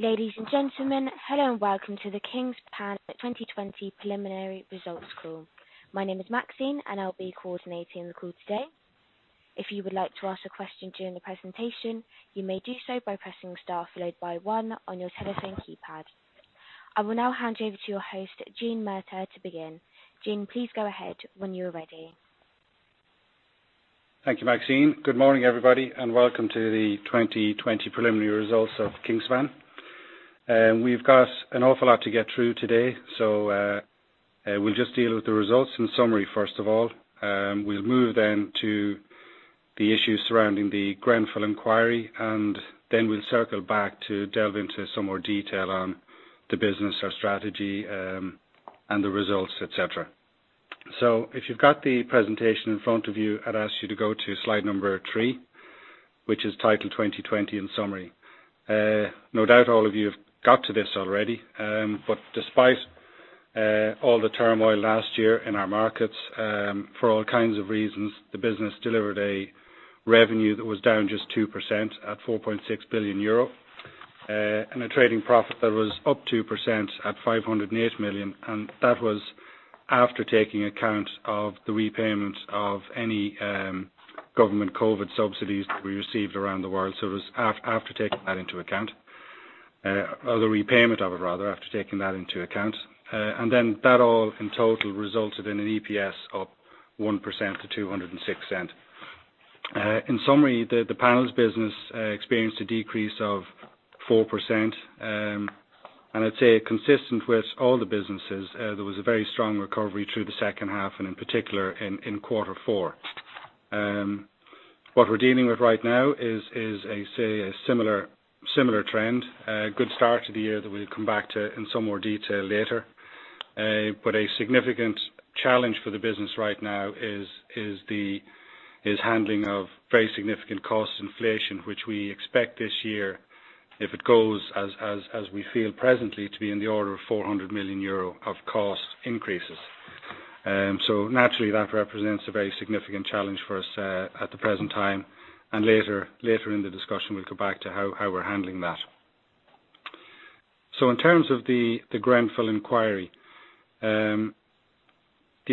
Ladies and gentlemen, hello and welcome to the Kingspan 2020 preliminary results call. My name is Maxine, and I'll be coordinating the call today. If you would like to ask a question during the presentation, you may do so by pressing star followed by one on your telephone keypad. I will now hand you over to your host, Gene Murtagh, to begin. Gene, please go ahead when you're ready. Thank you, Maxine. Good morning, everybody, and welcome to the 2020 preliminary results of Kingspan. We've got an awful lot to get through today, so we'll just deal with the results in summary, first of all. We'll move then to the issues surrounding the Grenfell inquiry, and then we'll circle back to delve into some more detail on the business, our strategy, and the results, et cetera. If you've got the presentation in front of you, I'd ask you to go to slide number three, which is titled 2020 in summary. No doubt all of you have got to this already. Despite all the turmoil last year in our markets, for all kinds of reasons, the business delivered a revenue that was down just 2% at 4.6 billion euro, and a trading profit that was up 2% at 508 million. That was after taking account of the repayment of any government COVID subsidies that we received around the world. It was after taking that into account. The repayment of it, rather, after taking that into account. That all in total resulted in an EPS up 1% to 2.06. In summary, the panels business experienced a decrease of 4%. I'd say consistent with all the businesses, there was a very strong recovery through the second half, and in particular in quarter four. What we're dealing with right now is a similar trend. A good start to the year that we'll come back to in some more detail later. A significant challenge for the business right now is handling of very significant cost inflation, which we expect this year, if it goes as we feel presently, to be in the order of 400 million euro of cost increases. Naturally, that represents a very significant challenge for us at the present time. Later in the discussion, we'll come back to how we're handling that. In terms of the Grenfell inquiry. The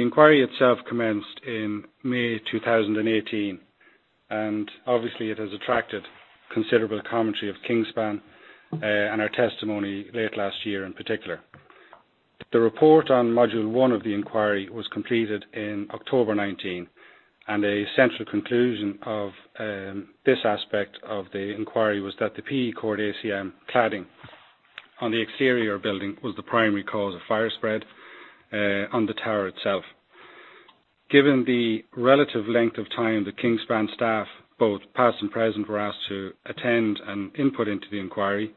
inquiry itself commenced in May 2018, and obviously it has attracted considerable commentary of Kingspan, and our testimony late last year in particular. The report on module one of the inquiry was completed in October 2019. A central conclusion of this aspect of the inquiry was that the PE core ACM cladding on the exterior building was the primary cause of fire spread on the tower itself. Given the relative length of time that Kingspan staff, both past and present, were asked to attend and input into the inquiry,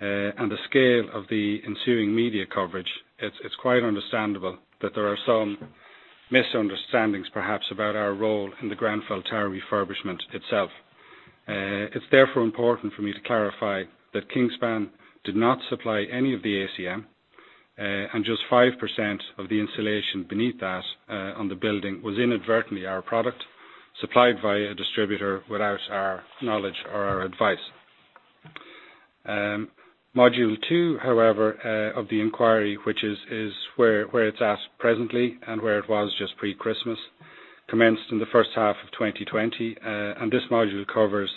and the scale of the ensuing media coverage, it's quite understandable that there are some misunderstandings perhaps about our role in the Grenfell Tower refurbishment itself. It's therefore important for me to clarify that Kingspan did not supply any of the ACM, and just 5% of the insulation beneath that on the building was inadvertently our product, supplied by a distributor without our knowledge or our advice. Module two, however of the inquiry, which is where it's at presently and where it was just pre-Christmas, commenced in the first half of 2020, and this module covers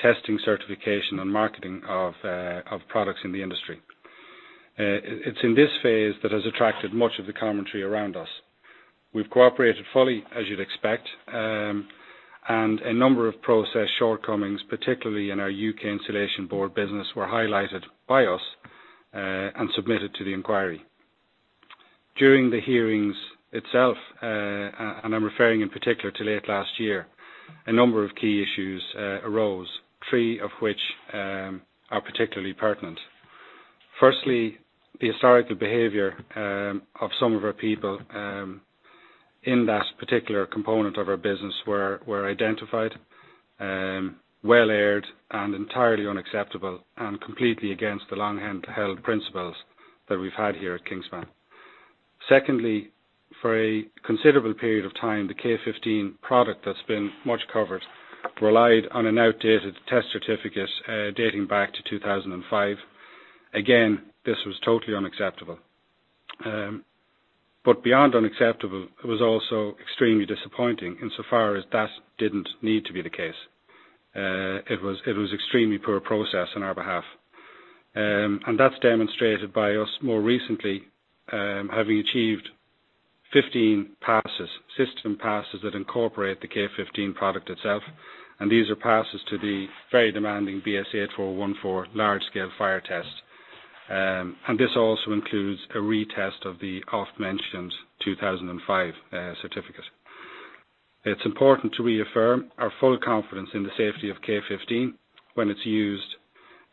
testing, certification, and marketing of products in the industry. It's in this phase that has attracted much of the commentary around us. We've cooperated fully, as you'd expect, and a number of process shortcomings, particularly in our U.K. Insulation board business, were highlighted by us, and submitted to the inquiry. During the hearings itself, and I'm referring in particular to late last year, a number of key issues arose, three of which are particularly pertinent. Firstly, the historical behavior of some of our people in that particular component of our business were identified, well aired and entirely unacceptable, and completely against the long-held principles that we've had here at Kingspan. Secondly, for a considerable period of time, the K15 product that's been much covered relied on an outdated test certificate dating back to 2005. Again, this was totally unacceptable. Beyond unacceptable, it was also extremely disappointing insofar as that didn't need to be the case. It was extremely poor process on our behalf. That's demonstrated by us more recently, having achieved 15 passes, system passes that incorporate the K15 product itself, and these are passes to the very demanding BS 8414 large-scale fire test. This also includes a retest of the oft-mentioned 2005 certificate. It's important to reaffirm our full confidence in the safety of K15 when it's used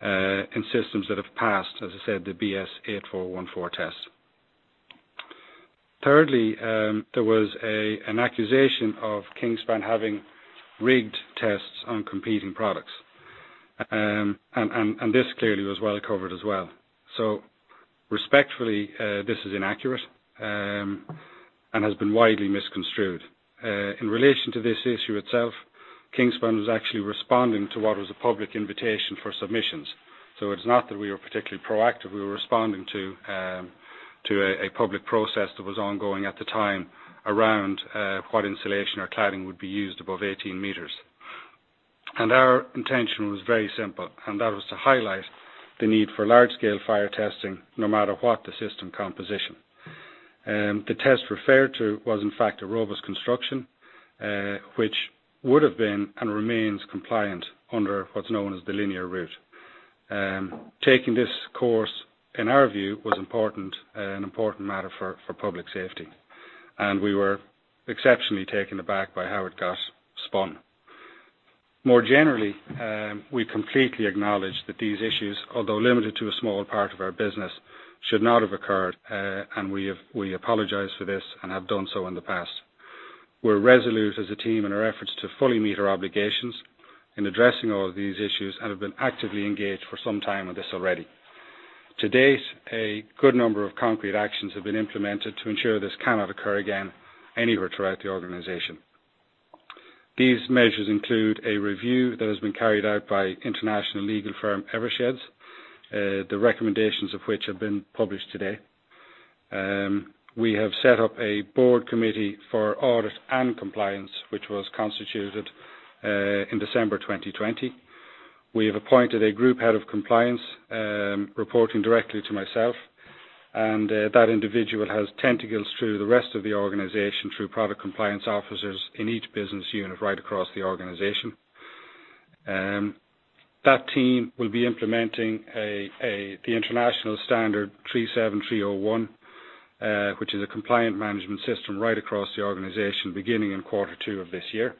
in systems that have passed, as I said, the BS 8414 test. Thirdly, there was an accusation of Kingspan having rigged tests on competing products. This clearly was well covered as well. Respectfully, this is inaccurate and has been widely misconstrued. In relation to this issue itself, Kingspan was actually responding to what was a public invitation for submissions. It's not that we were particularly proactive, we were responding to a public process that was ongoing at the time around what insulation or cladding would be used above 18 m. Our intention was very simple, and that was to highlight the need for large scale fire testing no matter what the system composition. The test referred to was in fact a robust construction, which would have been and remains compliant under what's known as the linear route. Taking this course, in our view, was an important matter for public safety, and we were exceptionally taken aback by how it got spun. More generally, we completely acknowledge that these issues, although limited to a smaller part of our business, should not have occurred. We apologize for this and have done so in the past. We're resolute as a team in our efforts to fully meet our obligations in addressing all of these issues and have been actively engaged for some time on this already. To date, a good number of concrete actions have been implemented to ensure this cannot occur again anywhere throughout the organization. These measures include a review that has been carried out by international legal firm Eversheds, the recommendations of which have been published today. We have set up a board committee for audit and compliance, which was constituted in December 2020. We have appointed a group head of compliance, reporting directly to myself. That individual has tentacles through the rest of the organization through product compliance officers in each business unit right across the organization. That team will be implementing the ISO 37301, which is a compliant management system right across the organization beginning in quarter two of this year.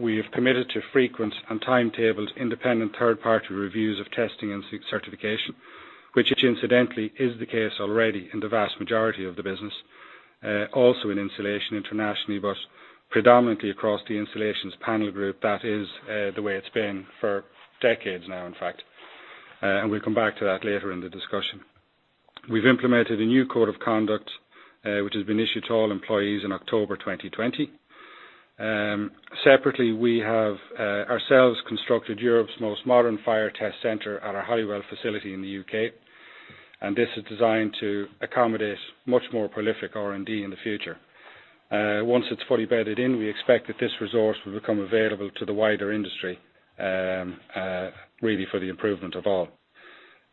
We have committed to frequent and timetabled independent third-party reviews of testing and certification, which incidentally is the case already in the vast majority of the business. Also in Insulation internationally, but predominantly across the Insulated Panels Group, that is the way it's been for decades now in fact. We'll come back to that later in the discussion. We've implemented a new code of conduct, which has been issued to all employees in October 2020. Separately, we have ourselves constructed Europe's most modern fire test center at our Holywell facility in the U.K., and this is designed to accommodate much more prolific R&D in the future. Once it is fully bedded in, we expect that this resource will become available to the wider industry, really for the improvement of all.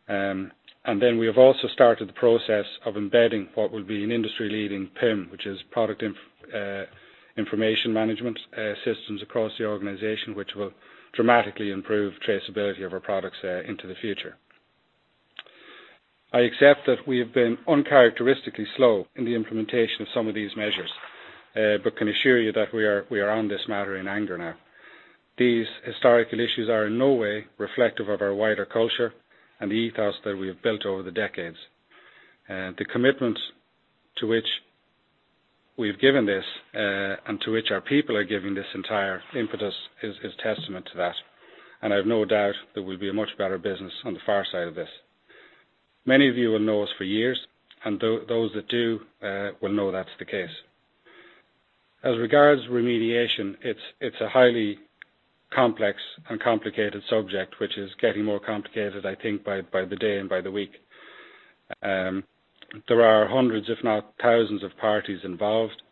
We have also started the process of embedding what will be an industry-leading PIM, which is Product Information Management systems across the organization, which will dramatically improve traceability of our products into the future. I accept that we have been uncharacteristically slow in the implementation of some of these measures, but can assure you that we are on this matter in anger now. These historical issues are in no way reflective of our wider culture and the ethos that we have built over the decades. The commitment to which we've given this, and to which our people are giving this entire impetus is testament to that, and I have no doubt that we'll be a much better business on the far side of this. Many of you will know us for years and those that do will know that's the case. As regards remediation, it's a highly complex and complicated subject, which is getting more complicated, I think by the day and by the week. There are hundreds, if not thousands, of parties involved.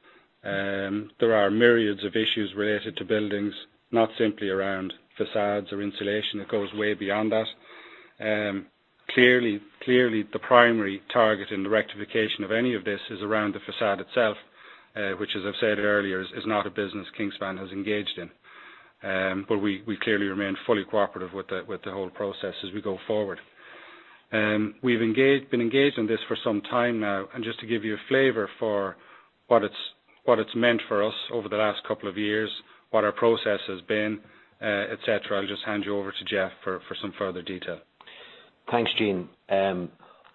There are myriads of issues related to buildings, not simply around facades or insulation. It goes way beyond that. Clearly, the primary target in the rectification of any of this is around the facade itself, which as I've said earlier, is not a business Kingspan has engaged in. We clearly remain fully cooperative with the whole process as we go forward. We've been engaged in this for some time now, and just to give you a flavor for what it's meant for us over the last couple of years, what our process has been, et cetera, I'll just hand you over to Geoff for some further detail. Thanks, Gene.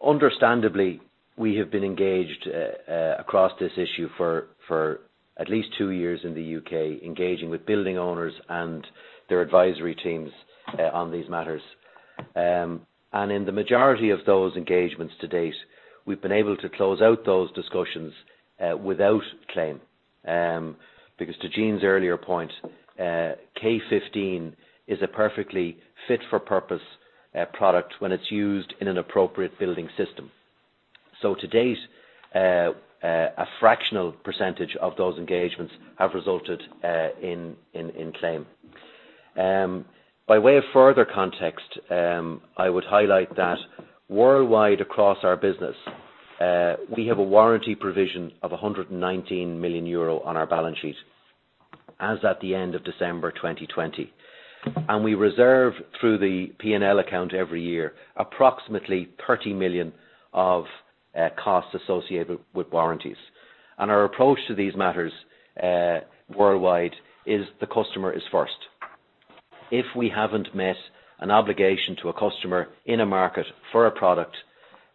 Understandably, we have been engaged across this issue for at least two years in the U.K., engaging with building owners and their advisory teams on these matters. In the majority of those engagements to date, we've been able to close out those discussions without claim. To Gene's earlier point, K15 is a perfectly fit for purpose product when it's used in an appropriate building system. To date, a fractional percentage of those engagements have resulted in claim. By way of further context, I would highlight that worldwide across our business, we have a warranty provision of 119 million euro on our balance sheet as at the end of December 2020. We reserve through the P&L account every year approximately 30 million of costs associated with warranties. Our approach to these matters worldwide is the customer is first. If we haven't met an obligation to a customer in a market for a product.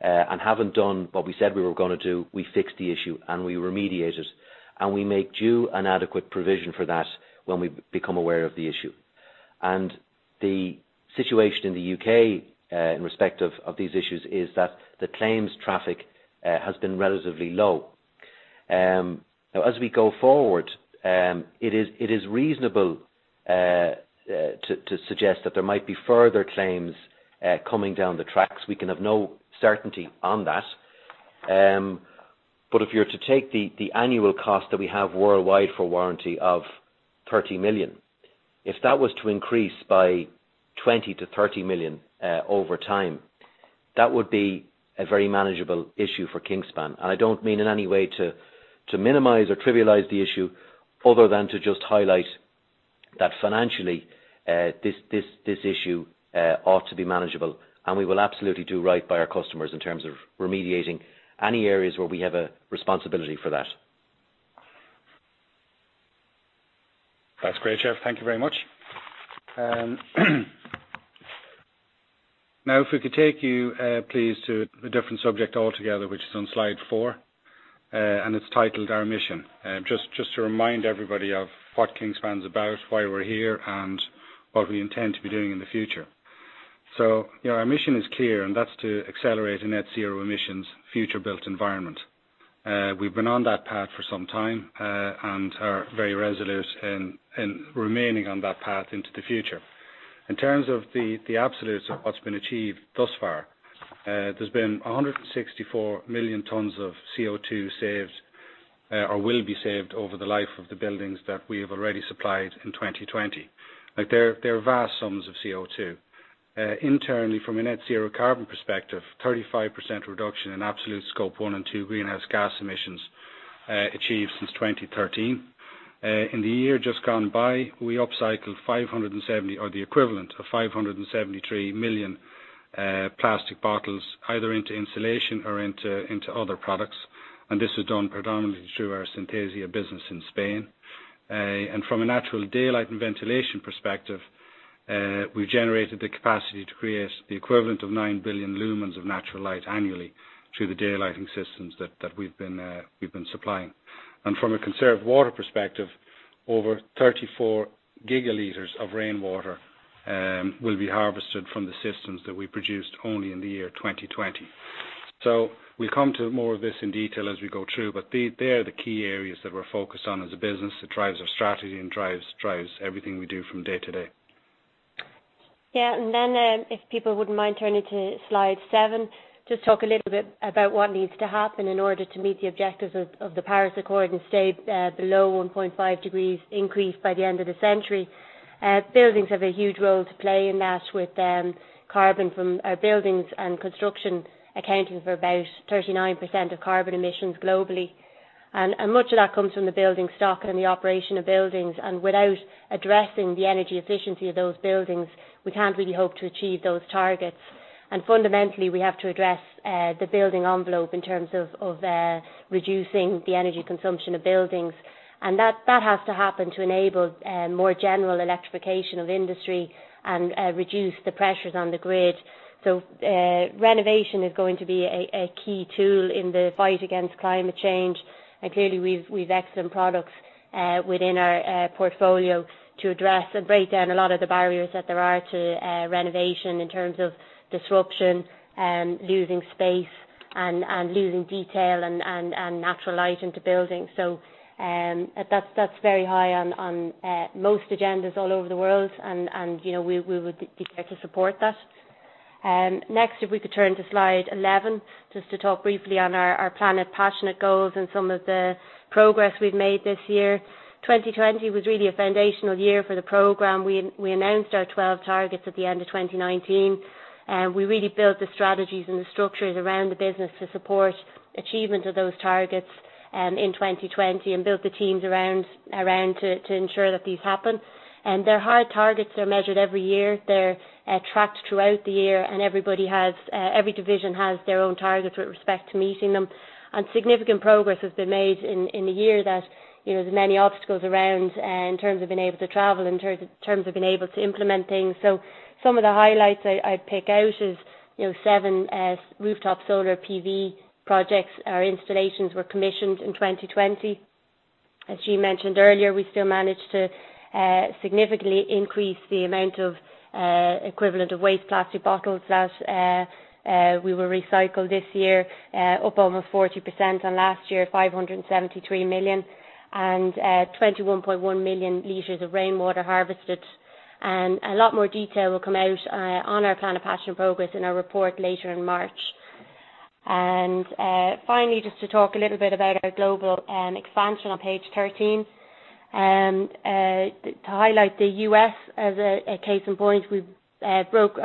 Haven't done what we said we were going to do, we fixed the issue and we remediated, and we make due an adequate provision for that when we become aware of the issue. The situation in the U.K., in respect of these issues, is that the claims traffic has been relatively low. Now as we go forward, it is reasonable to suggest that there might be further claims coming down the tracks. We can have no certainty on that. If you're to take the annual cost that we have worldwide for warranty of 30 million, if that was to increase by 20 million-30 million over time, that would be a very manageable issue for Kingspan. I don't mean in any way to minimize or trivialize the issue other than to just highlight that financially, this issue ought to be manageable, and we will absolutely do right by our customers in terms of remediating any areas where we have a responsibility for that. That's great, Geoff. Thank you very much. If we could take you, please, to a different subject altogether, which is on slide four, and it's titled Our Mission. Just to remind everybody of what Kingspan's about, why we're here, and what we intend to be doing in the future. Our mission is clear, and that's to accelerate a net zero emissions future-built environment. We've been on that path for some time, and are very resolute in remaining on that path into the future. In terms of the absolutes of what's been achieved thus far, there's been 164 million tons of CO2 saved, or will be saved over the life of the buildings that we have already supplied in 2020. They're vast sums of CO2. Internally, from a net zero carbon perspective, 35% reduction in absolute scope one and two greenhouse gas emissions, achieved since 2013. In the year just gone by, we upcycled 570 million or the equivalent of 573 million plastic bottles, either into Insulation or into other products. This was done predominantly through our Synthesia business in Spain. From a natural daylight and ventilation perspective, we've generated the capacity to create the equivalent of 9 billion lumens of natural light annually through the daylighting systems that we've been supplying. From a conserved water perspective, over 34 GL of rainwater will be harvested from the systems that we produced only in the year 2020. We'll come to more of this in detail as we go through, but they are the key areas that we're focused on as a business, that drives our strategy and drives everything we do from day-to-day. Yeah. If people wouldn't mind turning to slide seven, just talk a little bit about what needs to happen in order to meet the objectives of the Paris Agreement and stay below 1.5 degrees increase by the end of the century. Buildings have a huge role to play in that, with carbon from our buildings and construction accounting for about 39% of carbon emissions globally. Much of that comes from the building stock and the operation of buildings, and without addressing the energy efficiency of those buildings, we can't really hope to achieve those targets. Fundamentally, we have to address the building envelope in terms of reducing the energy consumption of buildings. That has to happen to enable more general electrification of industry and reduce the pressures on the grid. Renovation is going to be a key tool in the fight against climate change. Clearly we've excellent products within our portfolio to address and break down a lot of the barriers that there are to renovation in terms of disruption, losing space and losing detail and natural light into buildings. That's very high on most agendas all over the world and we would be there to support that. Next, if we could turn to slide 11, just to talk briefly on our Planet Passionate goals and some of the progress we've made this year. 2020 was really a foundational year for the program. We announced our 12 targets at the end of 2019. We really built the strategies and the structures around the business to support achievement of those targets in 2020 and built the teams around to ensure that these happen. They're hard targets that are measured every year. They're tracked throughout the year, and every division has their own targets with respect to meeting them. Significant progress has been made in the year that, the many obstacles around, in terms of being able to travel and in terms of being able to implement things. Some of the highlights I'd pick out is, seven rooftop solar PV projects or installations were commissioned in 2020. As Gene mentioned earlier, we still managed to significantly increase the amount of equivalent of waste plastic bottles that we will recycle this year, up almost 40% on last year, 573 million. 21.1 million liters of rainwater harvested. A lot more detail will come out on our Planet Passionate progress in our report later in March. Finally, just to talk a little bit about our global expansion on page 13. To highlight the U.S, as a case in point, we've progressed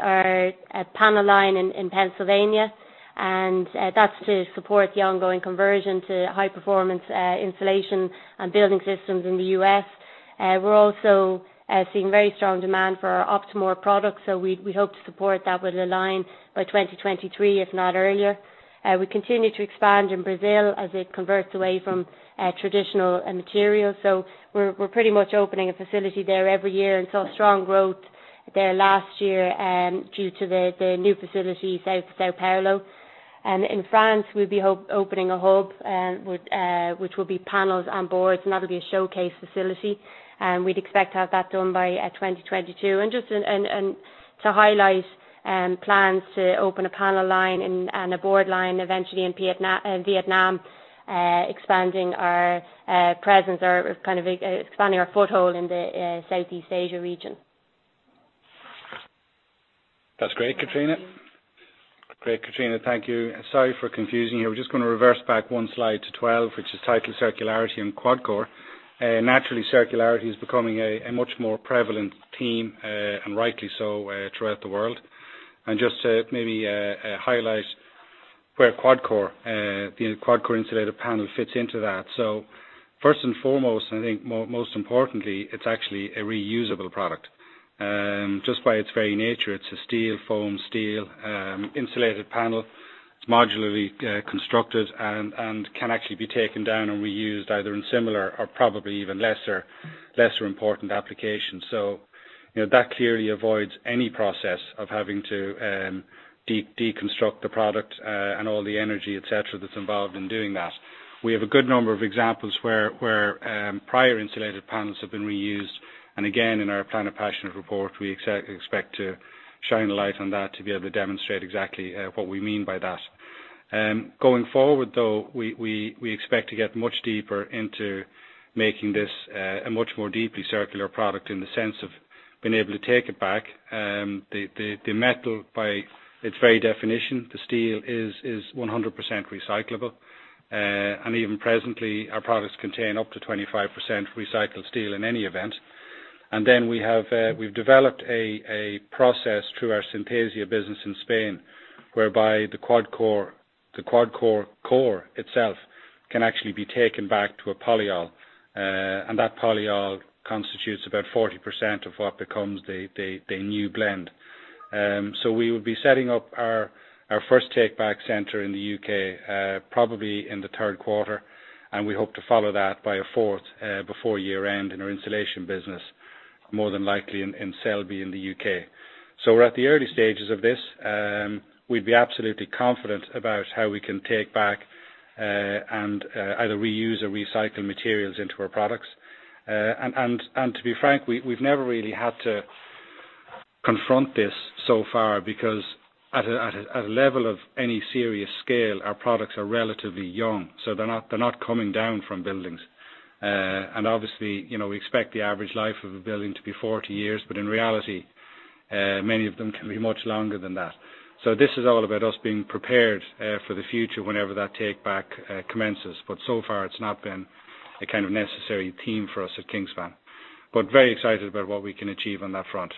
our panel line in Pennsylvania. That's to support the ongoing conversion to high performance insulation and building systems in the U.S. We're also seeing very strong demand for our Optimo products, so we hope to support that with a line by 2023, if not earlier. We continue to expand in Brazil as it converts away from traditional materials. We're pretty much opening a facility there every year and saw strong growth there last year due to the new facility south of São Paulo. In France, we'll be opening a hub which will be panels and boards, and that'll be a showcase facility. We'd expect to have that done by 2022. To highlight plans to open a panel line and a board line eventually in Vietnam, expanding our presence or kind of expanding our foothold in the Southeast Asia region. That's great, Catriona. Thank you. Sorry for confusing you. We're just going to reverse back one slide to 12, which is titled Circularity and QuadCore. Naturally, circularity is becoming a much more prevalent theme, rightly so, throughout the world. Just to maybe highlight where the QuadCore insulated panel fits into that. First and foremost, I think most importantly, it's actually a reusable product. Just by its very nature, it's a steel foam, steel insulated panel. It's modularly constructed and can actually be taken down and reused either in similar or probably even lesser important applications. That clearly avoids any process of having to deconstruct the product, all the energy, et cetera, that's involved in doing that. We have a good number of examples where prior insulated panels have been reused, and again, in our Planet Passionate report, we expect to shine a light on that to be able to demonstrate exactly what we mean by that. Going forward, though, we expect to get much deeper into making this a much more deeply circular product in the sense of being able to take it back. The metal, by its very definition, the steel is 100% recyclable. Even presently, our products contain up to 25% recycled steel in any event. Then we've developed a process through our Synthesia business in Spain, whereby the QuadCore core itself can actually be taken back to a polyol, and that polyol constitutes about 40% of what becomes the new blend. We will be setting up our first take-back center in the U.K. probably in the third quarter, and we hope to follow that by a fourth before year-end in our Insulation business, more than likely in Selby in the U.K. We're at the early stages of this. We'd be absolutely confident about how we can take back and either reuse or recycle materials into our products. To be frank, we've never really had to confront this so far because at a level of any serious scale, our products are relatively young, so they're not coming down from buildings. Obviously, we expect the average life of a building to be 40 years, but in reality, many of them can be much longer than that. This is all about us being prepared for the future whenever that take back commences. So far, it's not been a kind of necessary theme for us at Kingspan, but very excited about what we can achieve on that front.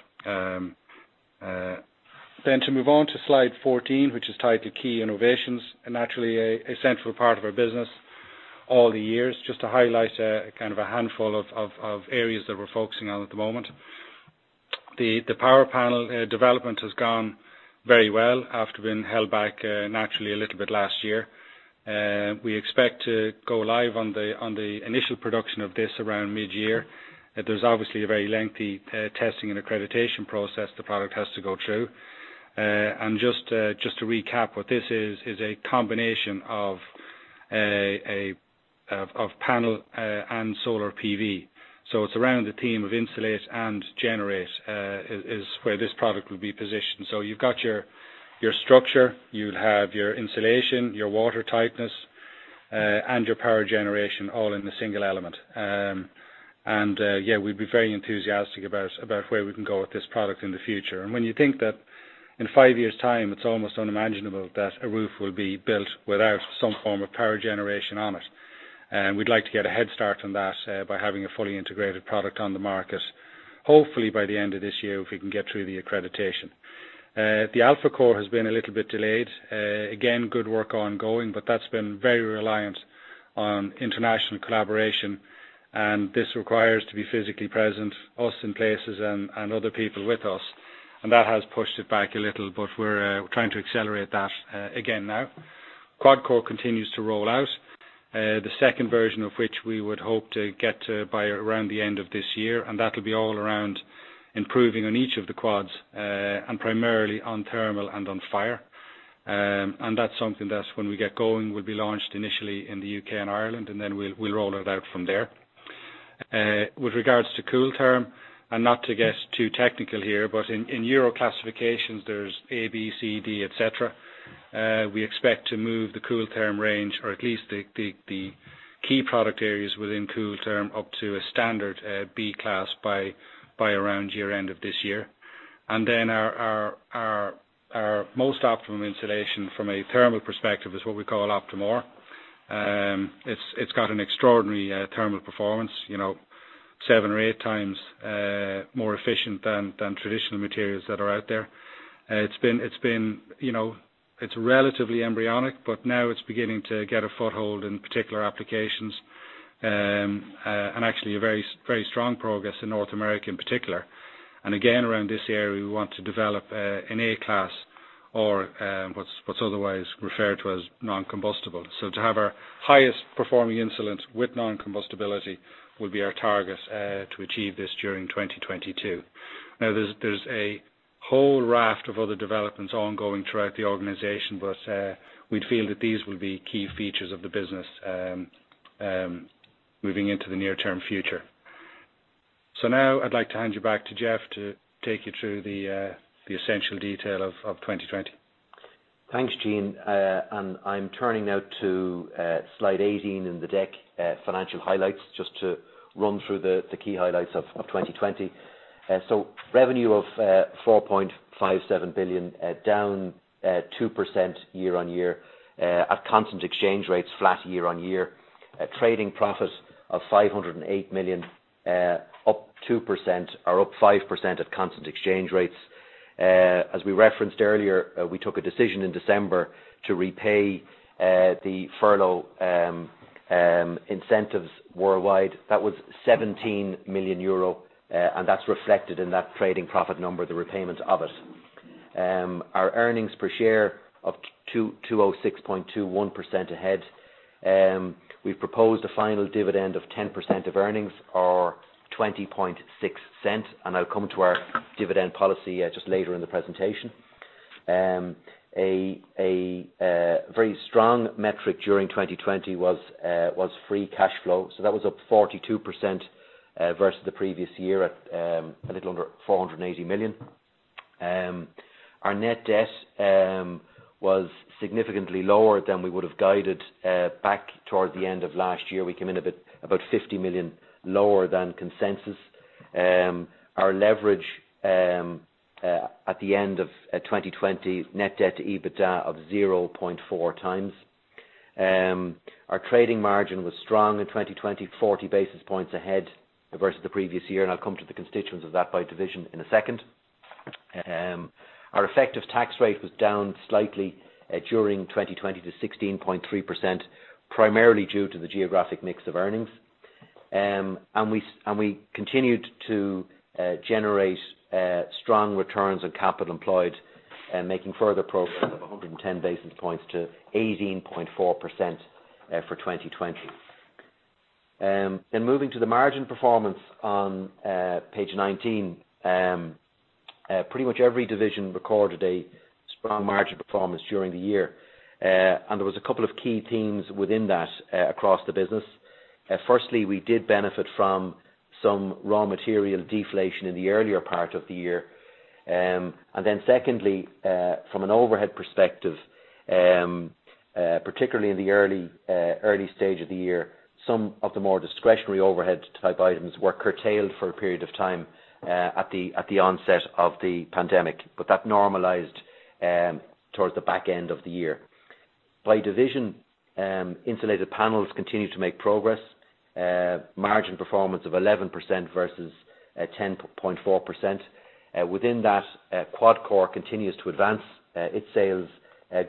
To move on to slide 14, which is titled Key Innovations, naturally, a central part of our business all the years. Just to highlight kind of a handful of areas that we're focusing on at the moment. The Powerpanel development has gone very well after being held back naturally a little bit last year. We expect to go live on the initial production of this around mid-year. There's obviously a very lengthy testing and accreditation process the product has to go through. Just to recap what this is a combination of panel and solar PV. It's around the theme of insulate and generate, is where this product will be positioned. You've got your structure, you'll have your insulation, your water tightness, and your power generation all in a single element. Yeah, we'd be very enthusiastic about where we can go with this product in the future. When you think that in five years' time, it's almost unimaginable that a roof will be built without some form of power generation on it. We'd like to get a head start on that by having a fully integrated product on the market, hopefully by the end of this year, if we can get through the accreditation. The AlphaCore has been a little bit delayed. Good work ongoing, but that's been very reliant on international collaboration, and this requires to be physically present, us in places and other people with us. That has pushed it back a little, but we're trying to accelerate that again now. QuadCore continues to roll out. The second version of which we would hope to get to by around the end of this year, and that'll be all around improving on each of the QuadCores, and primarily on thermal and on fire. That's something that, when we get going, will be launched initially in the U.K. and Ireland, and then we'll roll it out from there. With regards to Kooltherm, and not to get too technical here, but in Euroclass, there's A, B, C, D, et cetera. We expect to move the Kooltherm range, or at least the key product areas within Kooltherm up to a standard B class by around year-end of this year. Our most optimum insulation from a thermal perspective is what we call Optim-R. It's got an extraordinary thermal performance, seven or eight times more efficient than traditional materials that are out there. It's relatively embryonic, but now it's beginning to get a foothold in particular applications. Actually a very strong progress in North America in particular. Again, around this area, we want to develop an A-class or what's otherwise referred to as non-combustible. To have our highest performing insulants with non-combustibility will be our target to achieve this during 2022. There's a whole raft of other developments ongoing throughout the organization, we'd feel that these will be key features of the business moving into the near-term future. Now I'd like to hand you back to Geoff to take you through the essential detail of 2020. Thanks Gene. I'm turning now to slide 18 in the deck, financial highlights, just to run through the key highlights of 2020. Revenue of 4.57 billion, down 2% year-on-year. At constant exchange rates, flat year-on-year. A trading profit of 508 million, up 2%, or up 5% at constant exchange rates. As we referenced earlier, we took a decision in December to repay the furlough incentives worldwide. That was 17 million euro, and that's reflected in that trading profit number, the repayment of it. Our earnings per share up 206.21% ahead. We've proposed a final dividend of 10% of earnings or 0.206, and I'll come to our dividend policy just later in the presentation. A very strong metric during 2020 was free cash flow. That was up 42% versus the previous year at a little under 480 million. Our net debt was significantly lower than we would have guided back toward the end of last year. We came in about 50 million lower than consensus. Our leverage at the end of 2020, net debt to EBITDA of 0.4 times. Our trading margin was strong in 2020, 40 basis points ahead versus the previous year. I'll come to the constituents of that by division in a second. Our effective tax rate was down slightly during 2020 to 16.3%, primarily due to the geographic mix of earnings. We continued to generate strong returns on capital employed, making further progress of 110 basis points to 18.4% for 2020. Moving to the margin performance on page 19. Pretty much every division recorded a strong margin performance during the year. There was a couple of key themes within that across the business. Firstly, we did benefit from some raw material deflation in the earlier part of the year. Secondly, from an overhead perspective, particularly in the early stage of the year, some of the more discretionary overhead type items were curtailed for a period of time at the onset of the pandemic. That normalized towards the back end of the year. By division, Insulated Panels continued to make progress. Margin performance of 11% versus 10.4%. Within that, QuadCore continues to advance. Its sales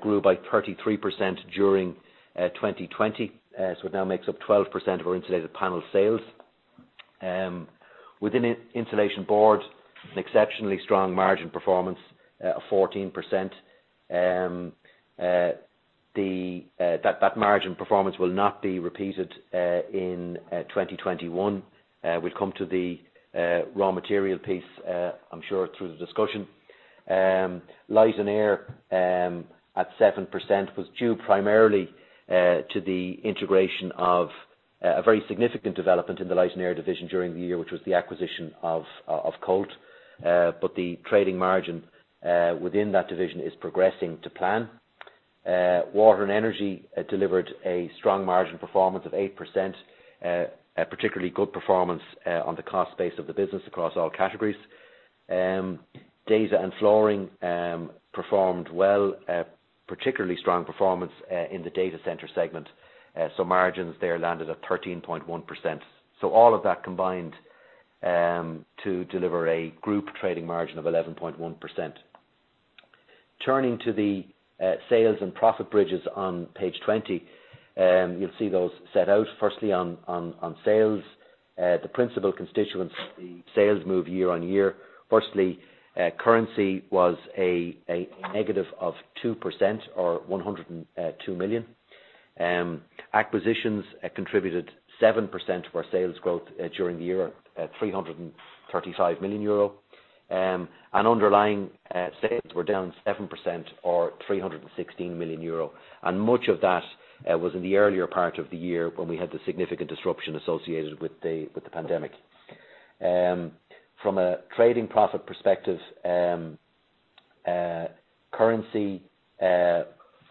grew by 33% during 2020, so it now makes up 12% of our Insulated Panels sales. Within Insulation Board, an exceptionally strong margin performance of 14%. That margin performance will not be repeated in 2021. We'll come to the raw material piece, I'm sure through the discussion. Light & Air at 7% was due primarily to the integration of a very significant development in the Light & Air division during the year, which was the acquisition of Colt. The trading margin within that division is progressing to plan. Water and Energy delivered a strong margin performance of 8%, a particularly good performance on the cost base of the business across all categories. Data and Flooring performed well, particularly strong performance in the data center segment. Margins there landed at 13.1%. All of that combined to deliver a group trading margin of 11.1%. Turning to the sales and profit bridges on page 20. You'll see those set out firstly on sales. The principal constituents of the sales move year-on-year. Firstly, currency was a negative of 2% or 102 million. Acquisitions contributed 7% of our sales growth during the year at 335 million euro. Underlying sales were down 7% or 316 million euro. Much of that was in the earlier part of the year when we had the significant disruption associated with the pandemic. From a trading profit perspective, currency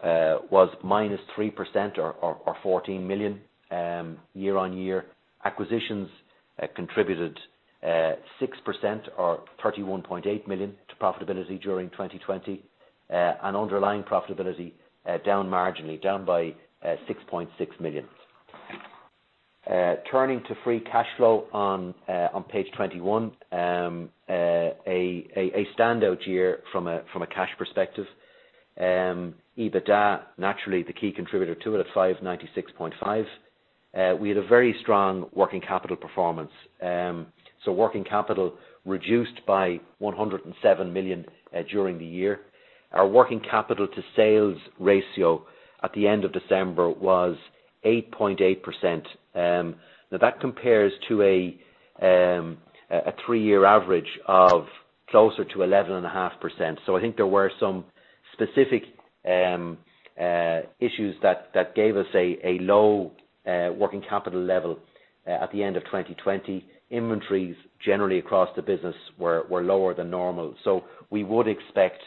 was -3% or 14 million year-on-year. Acquisitions contributed 6% or 31.8 million to profitability during 2020. Underlying profitability down marginally, down by 6.6 million. Turning to free cash flow on page 21. A standout year from a cash perspective. EBITDA, naturally the key contributor to it at 596.5 million. We had a very strong working capital performance. Working capital reduced by 107 million during the year. Our working capital to sales ratio at the end of December was 8.8%. That compares to a three-year average of closer to 11.5%. I think there were some specific issues that gave us a low working capital level at the end of 2020. Inventories generally across the business were lower than normal. We would expect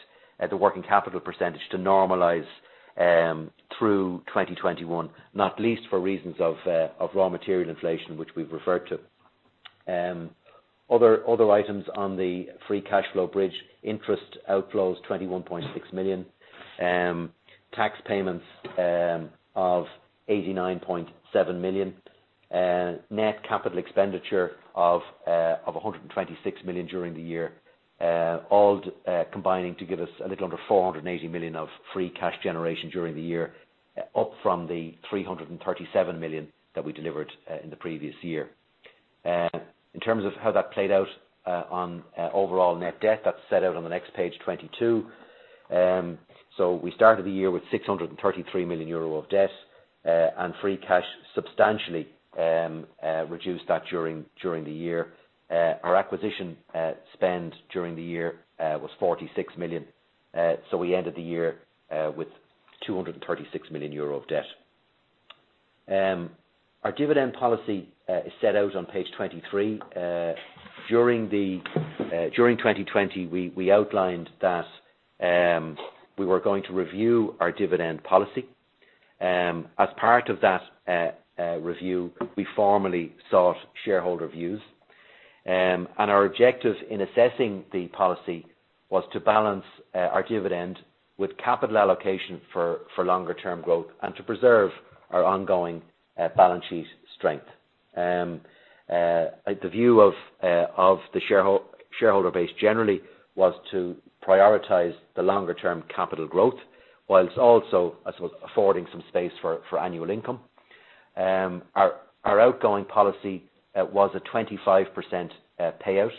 the working capital percentage to normalize through 2021, not least for reasons of raw material inflation, which we've referred to. Other items on the free cash flow bridge, interest outflows 21.6 million. Tax payments of 89.7 million. Net capital expenditure of 126 million during the year. All combining to give us a little under 480 million of free cash generation during the year, up from the 337 million that we delivered in the previous year. In terms of how that played out on overall net debt, that's set out on the next page 22. We started the year with 633 million euro of debt, and free cash substantially reduced that during the year. Our acquisition spend during the year was 46 million. We ended the year with 236 million euro of debt. Our dividend policy is set out on page 23. During 2020, we outlined that we were going to review our dividend policy. As part of that review, we formally sought shareholder views. Our objective in assessing the policy was to balance our dividend with capital allocation for longer-term growth and to preserve our ongoing balance sheet strength. The view of the shareholder base generally was to prioritize the longer-term capital growth whilst also affording some space for annual income. Our outgoing policy was a 25% payout.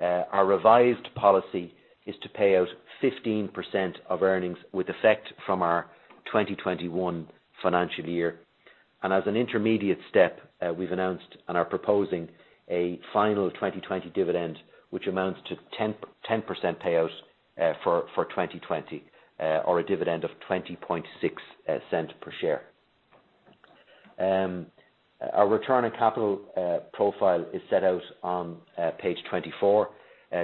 Our revised policy is to pay out 15% of earnings with effect from our 2021 financial year. As an intermediate step, we've announced and are proposing a final 2020 dividend, which amounts to 10% payout for 2020 or a dividend of 0.206 per share. Our return on capital profile is set out on page 24.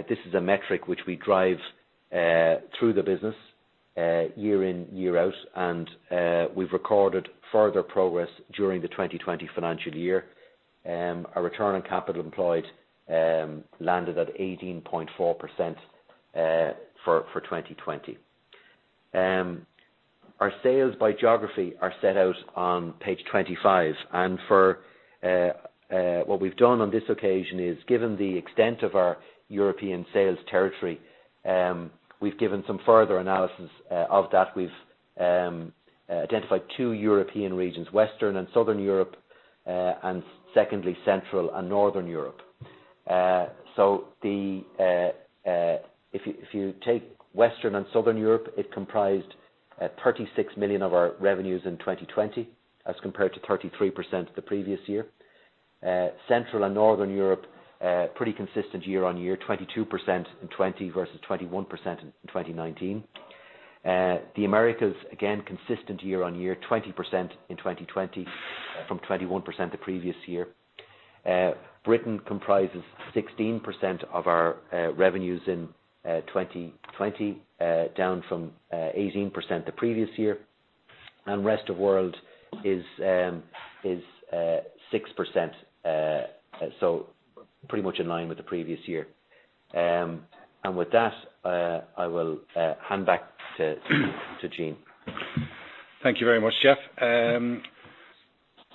This is a metric which we drive through the business year in, year out, and we've recorded further progress during the 2020 financial year. Our return on capital employed landed at 18.4% for 2020. Our sales by geography are set out on page 25. What we've done on this occasion is given the extent of our European sales territory, we've given some further analysis of that. We've identified two European regions, Western and Southern Europe, and secondly, Central and Northern Europe. If you take Western and Southern Europe, it comprised 36 million of our revenues in 2020 as compared to 33% the previous year. Central and Northern Europe pretty consistent year-on-year, 22% in 2020 versus 21% in 2019. The Americas, again, consistent year-on-year, 20% in 2020 from 21% the previous year. Britain comprises 16% of our revenues in 2020, down from 18% the previous year. Rest of world is 6%, so pretty much in line with the previous year. With that, I will hand back to Gene. Thank you very much, Geoff.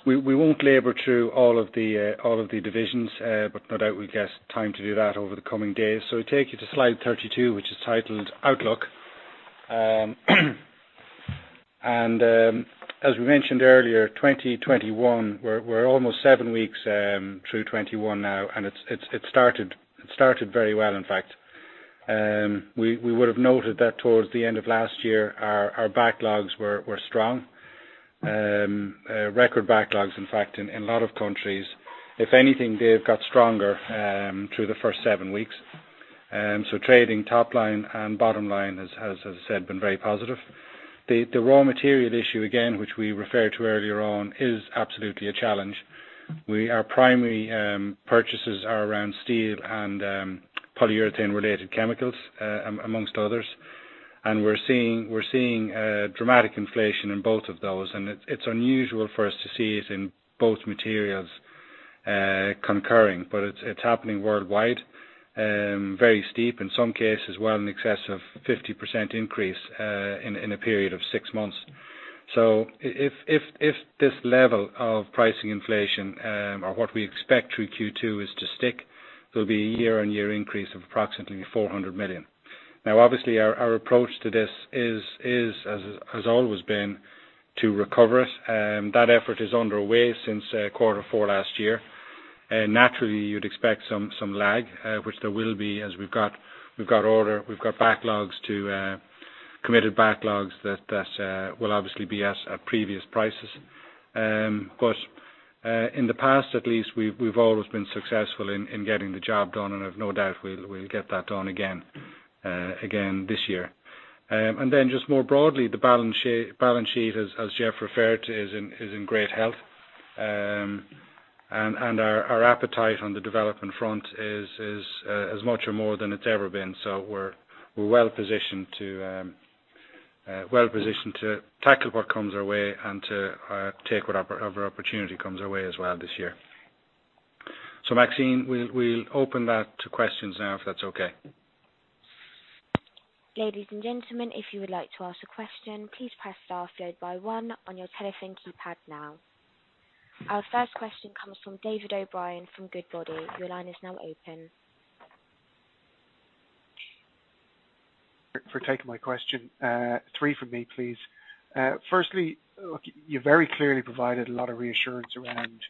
We won't labor through all of the divisions, but no doubt we'll get time to do that over the coming days. We take you to slide 32, which is titled Outlook. As we mentioned earlier, 2021, we're almost seven weeks through 2021 now, it started very well, in fact. We would have noted that towards the end of last year, our backlogs were strong. Record backlogs, in fact, in a lot of countries. If anything, they've got stronger through the first seven weeks. Trading top line and bottom line has, as I said, been very positive. The raw material issue, again, which we referred to earlier on, is absolutely a challenge. Our primary purchases are around steel and polyurethane related chemicals, amongst others. We're seeing dramatic inflation in both of those, and it's unusual for us to see it in both materials concurring. It's happening worldwide, very steep, in some cases well in excess of 50% increase in a period of six months. If this level of pricing inflation, or what we expect through Q2, is to stick, there'll be a year-on-year increase of approximately 400 million. Obviously, our approach to this has always been to recover it, that effort is underway since quarter four last year. Naturally, you'd expect some lag, which there will be, as we've got orders, we've got committed backlogs that will obviously be at previous prices. In the past at least, we've always been successful in getting the job done, and I've no doubt we'll get that done again this year. Just more broadly, the balance sheet, as Geoff referred to, is in great health. Our appetite on the development front is as much or more than it's ever been. We're well-positioned to tackle what comes our way and to take whatever opportunity comes our way as well this year. Maxine, we'll open that to questions now if that's okay. Ladies and gentlemen, if you would like to ask a question, please press star followed by one on your telephone keypad now. Our first question comes from David O'Brien from Goodbody. Your line is now open. For taking my question. Three from me, please. Firstly, look, you very clearly provided a lot of reassurance around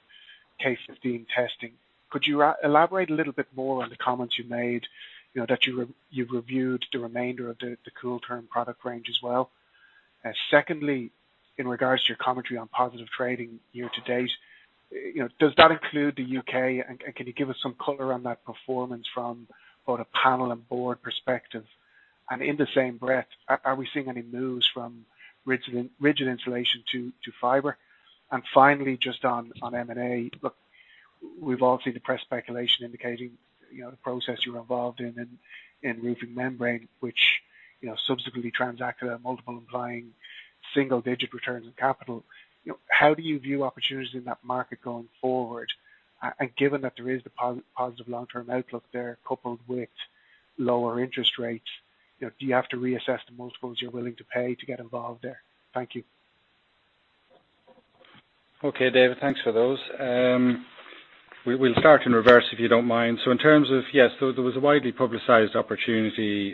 K15 testing. Could you elaborate a little bit more on the comments you made, that you've reviewed the remainder of the Kooltherm product range as well? Secondly, in regards to your commentary on positive trading year-to-date, does that include the U.K., and can you give us some color on that performance from both a panel and board perspective? In the same breath, are we seeing any moves from rigid insulation to fiber? Finally, just on M&A, look, we've all seen the press speculation indicating the process you're involved in roofing membrane, which subsequently transacted at a multiple implying single-digit returns on capital. Given that there is the positive long-term outlook there coupled with lower interest rates, do you have to reassess the multiples you're willing to pay to get involved there? Thank you. Okay, David. Thanks for those. We'll start in reverse if you don't mind. In terms of, yes, there was a widely publicized opportunity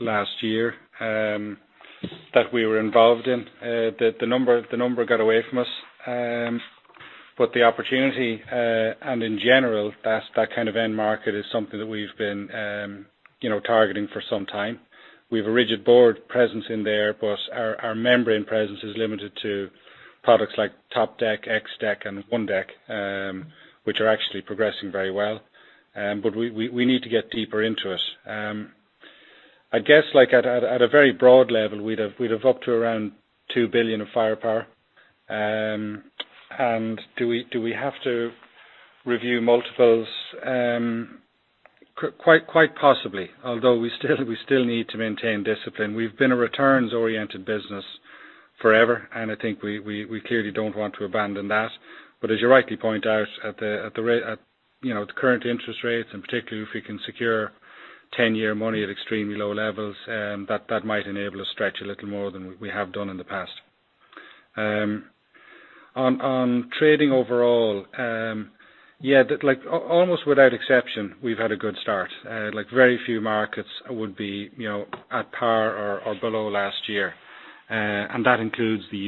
last year that we were involved in. The number got away from us. The opportunity, and in general, that kind of end market is something that we've been targeting for some time. We've a rigid board presence in there, but our membrane presence is limited to products like Topdek, X-dek, and Unidek, which are actually progressing very well. We need to get deeper into it. I guess at a very broad level, we'd have up to around 2 billion of firepower. Do we have to review multiples? Quite possibly, although we still need to maintain discipline. We've been a returns-oriented business forever, and I think we clearly don't want to abandon that. As you rightly point out, at the current interest rates, and particularly if we can secure 10-year money at extremely low levels, that might enable us stretch a little more than we have done in the past. On trading overall, yeah, almost without exception, we've had a good start. Very few markets would be at par or below last year. That includes the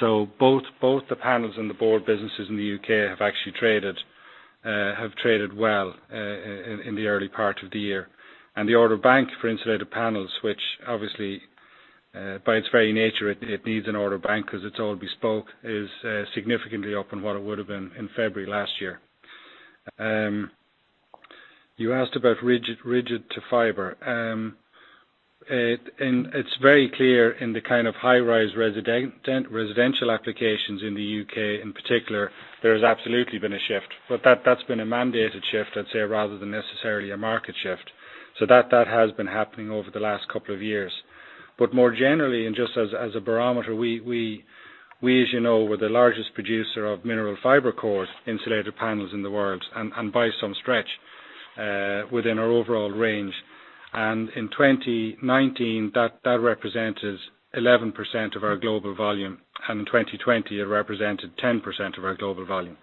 U.K. Both the panels and the board businesses in the U.K. have actually traded well in the early part of the year. The order bank for Insulated Panels, which obviously, by its very nature, it needs an order bank because it's all bespoke, is significantly up on what it would have been in February last year. You asked about rigid to fiber. It's very clear in the kind of high-rise residential applications in the U.K. in particular, there's absolutely been a shift, that's been a mandated shift, I'd say, rather than necessarily a market shift. That has been happening over the last couple of years. More generally, and just as a barometer, we, as you know, we're the largest producer of mineral fibre core insulated panels in the world, and by some stretch, within our overall range. In 2019, that represented 11% of our global volume, and in 2020, it represented 10% of our global volume.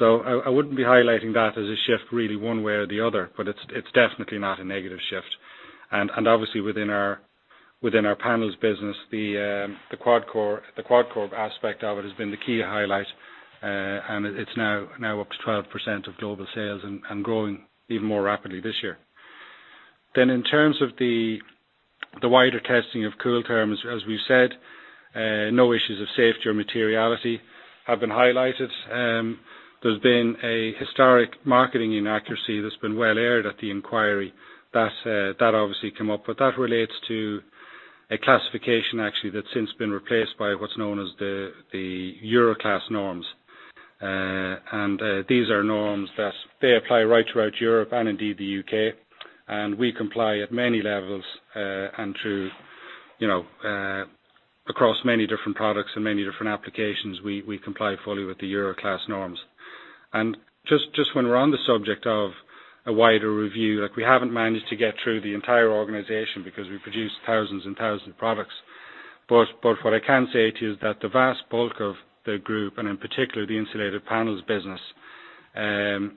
I wouldn't be highlighting that as a shift really one way or the other, but it's definitely not a negative shift. Obviously within our panels business, the QuadCore aspect of it has been the key highlight. It's now up to 12% of global sales and growing even more rapidly this year. In terms of the wider testing of Kooltherm, as we've said, no issues of safety or materiality have been highlighted. There's been a historic marketing inaccuracy that's been well aired at the inquiry, that obviously came up, but that relates to a classification, actually, that's since been replaced by what's known as the Euroclass norms. These are norms that they apply right throughout Europe and indeed the U.K., and we comply at many levels and across many different products and many different applications, we comply fully with the Euroclass norms. Just when we're on the subject of a wider review, we haven't managed to get through the entire organization because we produce thousands and thousands of products. What I can say to you is that the vast bulk of the group, and in particular, the Insulated Panels business, is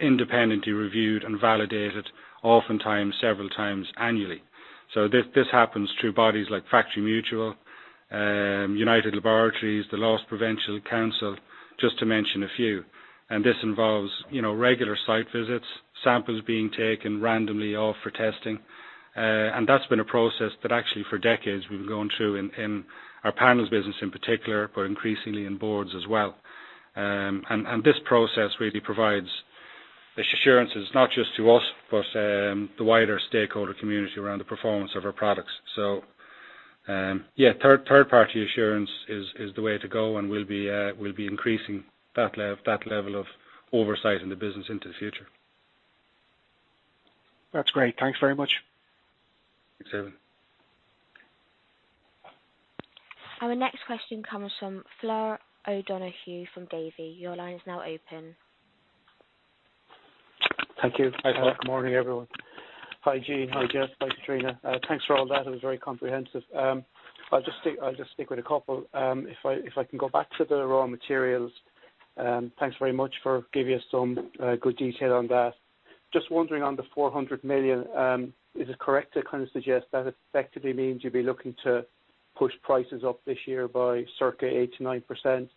independently reviewed and validated oftentimes several times annually. This happens through bodies like Factory Mutual, Underwriters Laboratories, the Loss Prevention Certification Board, just to mention a few. This involves regular site visits, samples being taken randomly off for testing. That's been a process that actually for decades we've been going through in our panels business in particular, but increasingly in boards as well. This process really provides assurances not just to us, but the wider stakeholder community around the performance of our products. Third-party assurance is the way to go, and we'll be increasing that level of oversight in the business into the future. That's great. Thanks very much. Thanks, David. Our next question comes from Flor O'Donoghue from Davy. Your line is now open. Thank you. Hi, Flor. Good morning, everyone. Hi, Gene. Hi, Geoff. Hi, Catriona. Thanks for all that. It was very comprehensive. I'll just stick with a couple. If I can go back to the raw materials, thanks very much for giving us some good detail on that. Just wondering on the 400 million, is it correct to kind of suggest that effectively means you'd be looking to push prices up this year by circa 8%-9%?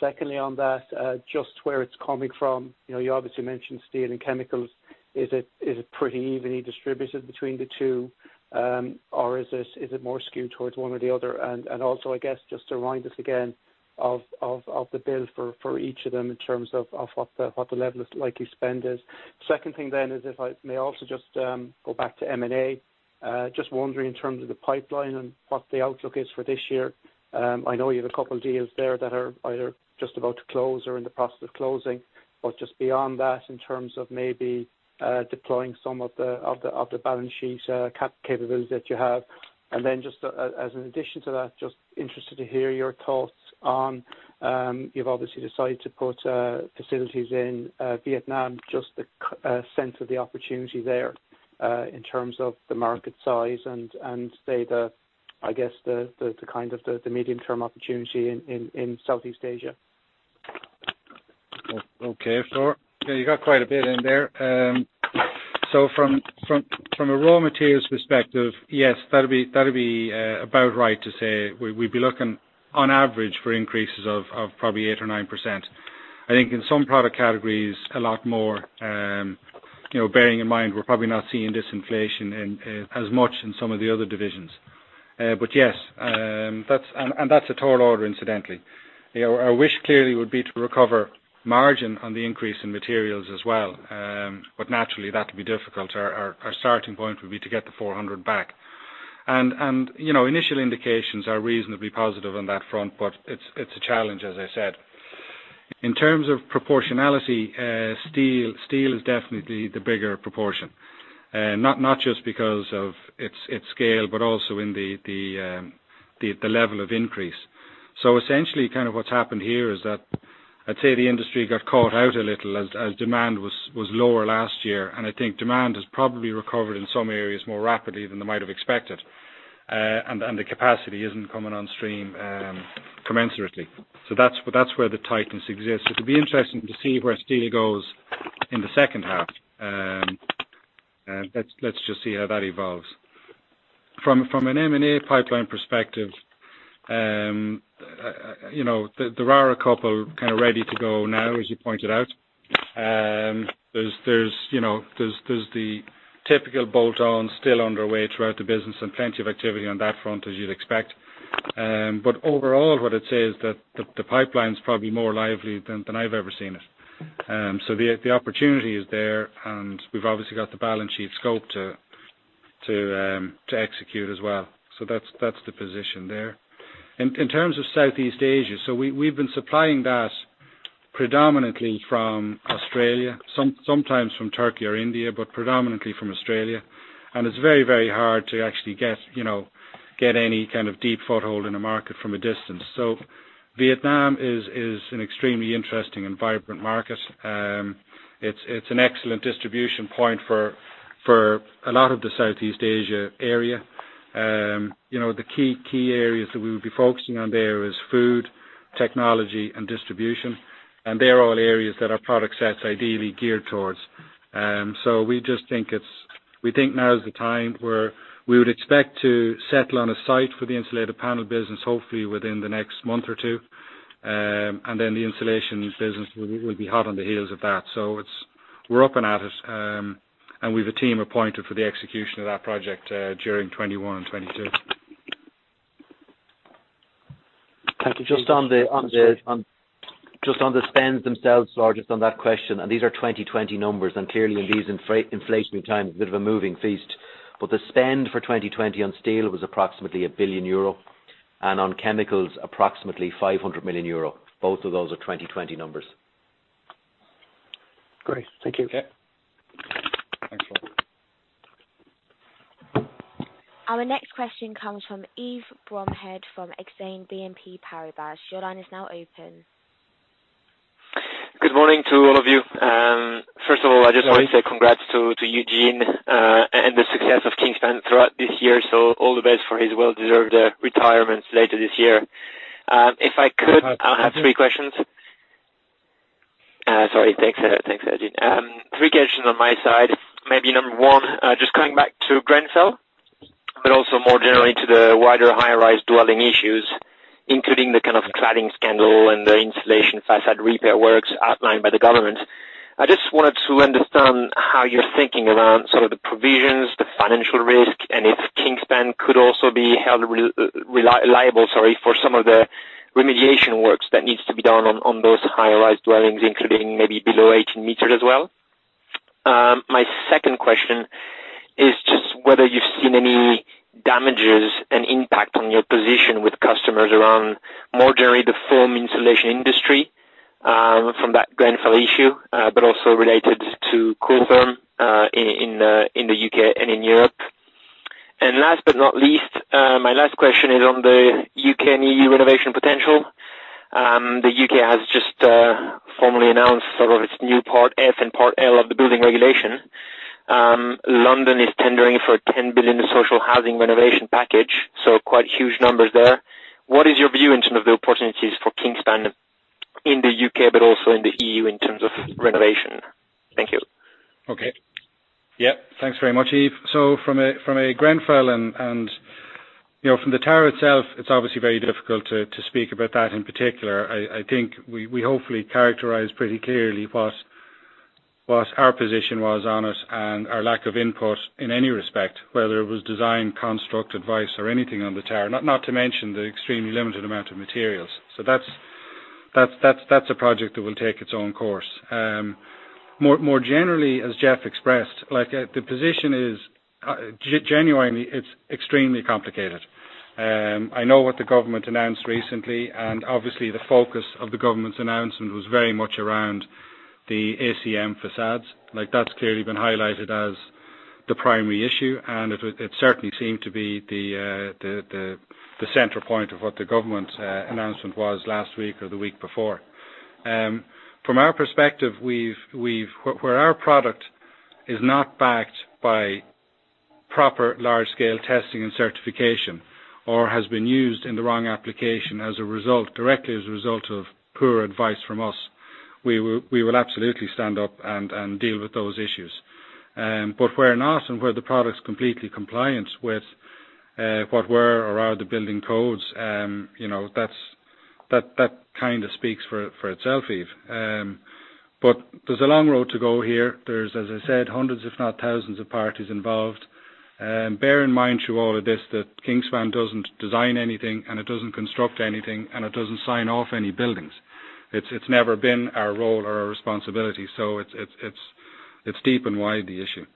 Secondly on that, just where it's coming from, you obviously mentioned steel and chemicals. Is it pretty evenly distributed between the two, or is it more skewed towards one or the other? I guess just to remind us again of the bill for each of them in terms of what the level of likely spend is. Second thing is if I may also just go back to M&A. Just wondering in terms of the pipeline and what the outlook is for this year? I know you have a couple deals there that are either just about to close or in the process of closing, but just beyond that in terms of maybe deploying some of the balance sheet capabilities that you have. Just as an addition to that, just interested to hear your thoughts on, you've obviously decided to put facilities in Vietnam, just the sense of the opportunity there in terms of the market size and say the, I guess the kind of the medium-term opportunity in Southeast Asia. Okay, Flor. Yeah, you got quite a bit in there. From a raw materials perspective, yes, that'd be about right to say we'd be looking on average for increases of probably 8% or 9%. I think in some product categories, a lot more, bearing in mind we're probably not seeing disinflation as much in some of the other divisions. Yes, and that's a tall order incidentally. Our wish clearly would be to recover margin on the increase in materials as well. Naturally, that could be difficult. Our starting point would be to get the 400 back. Initial indications are reasonably positive on that front, but it's a challenge, as I said. In terms of proportionality, steel is definitely the bigger proportion. Not just because of its scale, but also in the level of increase. Essentially, kind of what's happened here is that I'd say the industry got caught out a little as demand was lower last year, and I think demand has probably recovered in some areas more rapidly than they might have expected. The capacity isn't coming on stream commensurately. That's where the tightness exists. It'll be interesting to see where steel goes in the second half. Let's just see how that evolves. From an M&A pipeline perspective, there are a couple kind of ready to go now, as you pointed out. There's the typical bolt-ons still underway throughout the business and plenty of activity on that front, as you'd expect. Overall, what I'd say is that the pipeline's probably more lively than I've ever seen it. The opportunity is there, and we've obviously got the balance sheet scope to execute as well. That's the position there. In terms of Southeast Asia, we've been supplying that predominantly from Australia, sometimes from Turkey or India, but predominantly from Australia. It's very, very hard to actually get any kind of deep foothold in a market from a distance. Vietnam is an extremely interesting and vibrant market. It's an excellent distribution point for a lot of the Southeast Asia area. The key areas that we would be focusing on there is food, technology, and distribution, and they're all areas that our product set's ideally geared towards. We think now is the time where we would expect to settle on a site for the Insulated Panels business, hopefully within the next month or two. Then the Insulation business will be hot on the heels of that. We're up and at it, and we've a team appointed for the execution of that project during 2021 and 2022. Thank you. Just on the- Sure. Just on the spends themselves, Flor, just on that question, and these are 2020 numbers, and clearly in these inflationary times, a bit of a moving feast. The spend for 2020 on steel was approximately 1 billion euro, and on chemicals, approximately 500 million euro. Both of those are 2020 numbers. Great. Thank you. Yeah. Thanks, Flor. Our next question comes from Yves Bromehead from Exane BNP Paribas. Your line is now open. Good morning to all of you. First of all, I just want to say congrats to you Gene and the success of Kingspan throughout this year. All the best for his well-deserved retirement later this year. If I could, I have three questions. Sorry, thanks, Gene. Three questions on my side, maybe number one, just coming back to Grenfell, but also more generally to the wider high-rise dwelling issues, including the kind of cladding scandal and the insulation facade repair works outlined by the government. I just wanted to understand how you're thinking around some of the provisions, the financial risk, and if Kingspan could also be held liable, sorry, for some of the remediation works that needs to be done on those high-rise dwellings, including maybe below 18 m as well. My second question is just whether you've seen any damages and impact on your position with customers around more generally the foam insulation industry, from that Grenfell issue, but also related to Kooltherm in the U.K. and in Europe. Last but not least, my last question is on the U.K. and EU renovation potential. The U.K. has just formally announced sort of its new Part F and Part L of the building regulation. London is tendering for a 10 billion social housing renovation package, so quite huge numbers there. What is your view in terms of the opportunities for Kingspan in the U.K. but also in the EU in terms of renovation? Thank you. Okay. Yeah. Thanks very much, Yves. From a Grenfell and from the tower itself, it's obviously very difficult to speak about that in particular. I think we hopefully characterize pretty clearly what our position was on it and our lack of input in any respect, whether it was design, construct, advice or anything on the tower, not to mention the extremely limited amount of materials. That's a project that will take its own course. More generally, as Geoff expressed, the position is genuinely, it's extremely complicated. I know what the government announced recently, and obviously the focus of the government's announcement was very much around the ACM facades. That's clearly been highlighted as the primary issue, and it certainly seemed to be the central point of what the government's announcement was last week or the week before. From our perspective, where our product is not backed by proper large-scale testing and certification or has been used in the wrong application directly as a result of poor advice from us, we will absolutely stand up and deal with those issues. Where not and where the product's completely compliant with what were or are the building codes, that kind of speaks for itself, Yves. There's a long road to go here. There's, as I said, hundreds if not thousands of parties involved. Bear in mind through all of this that Kingspan doesn't design anything and it doesn't construct anything and it doesn't sign off any buildings. It's never been our role or our responsibility, so it's deep and wide the issue.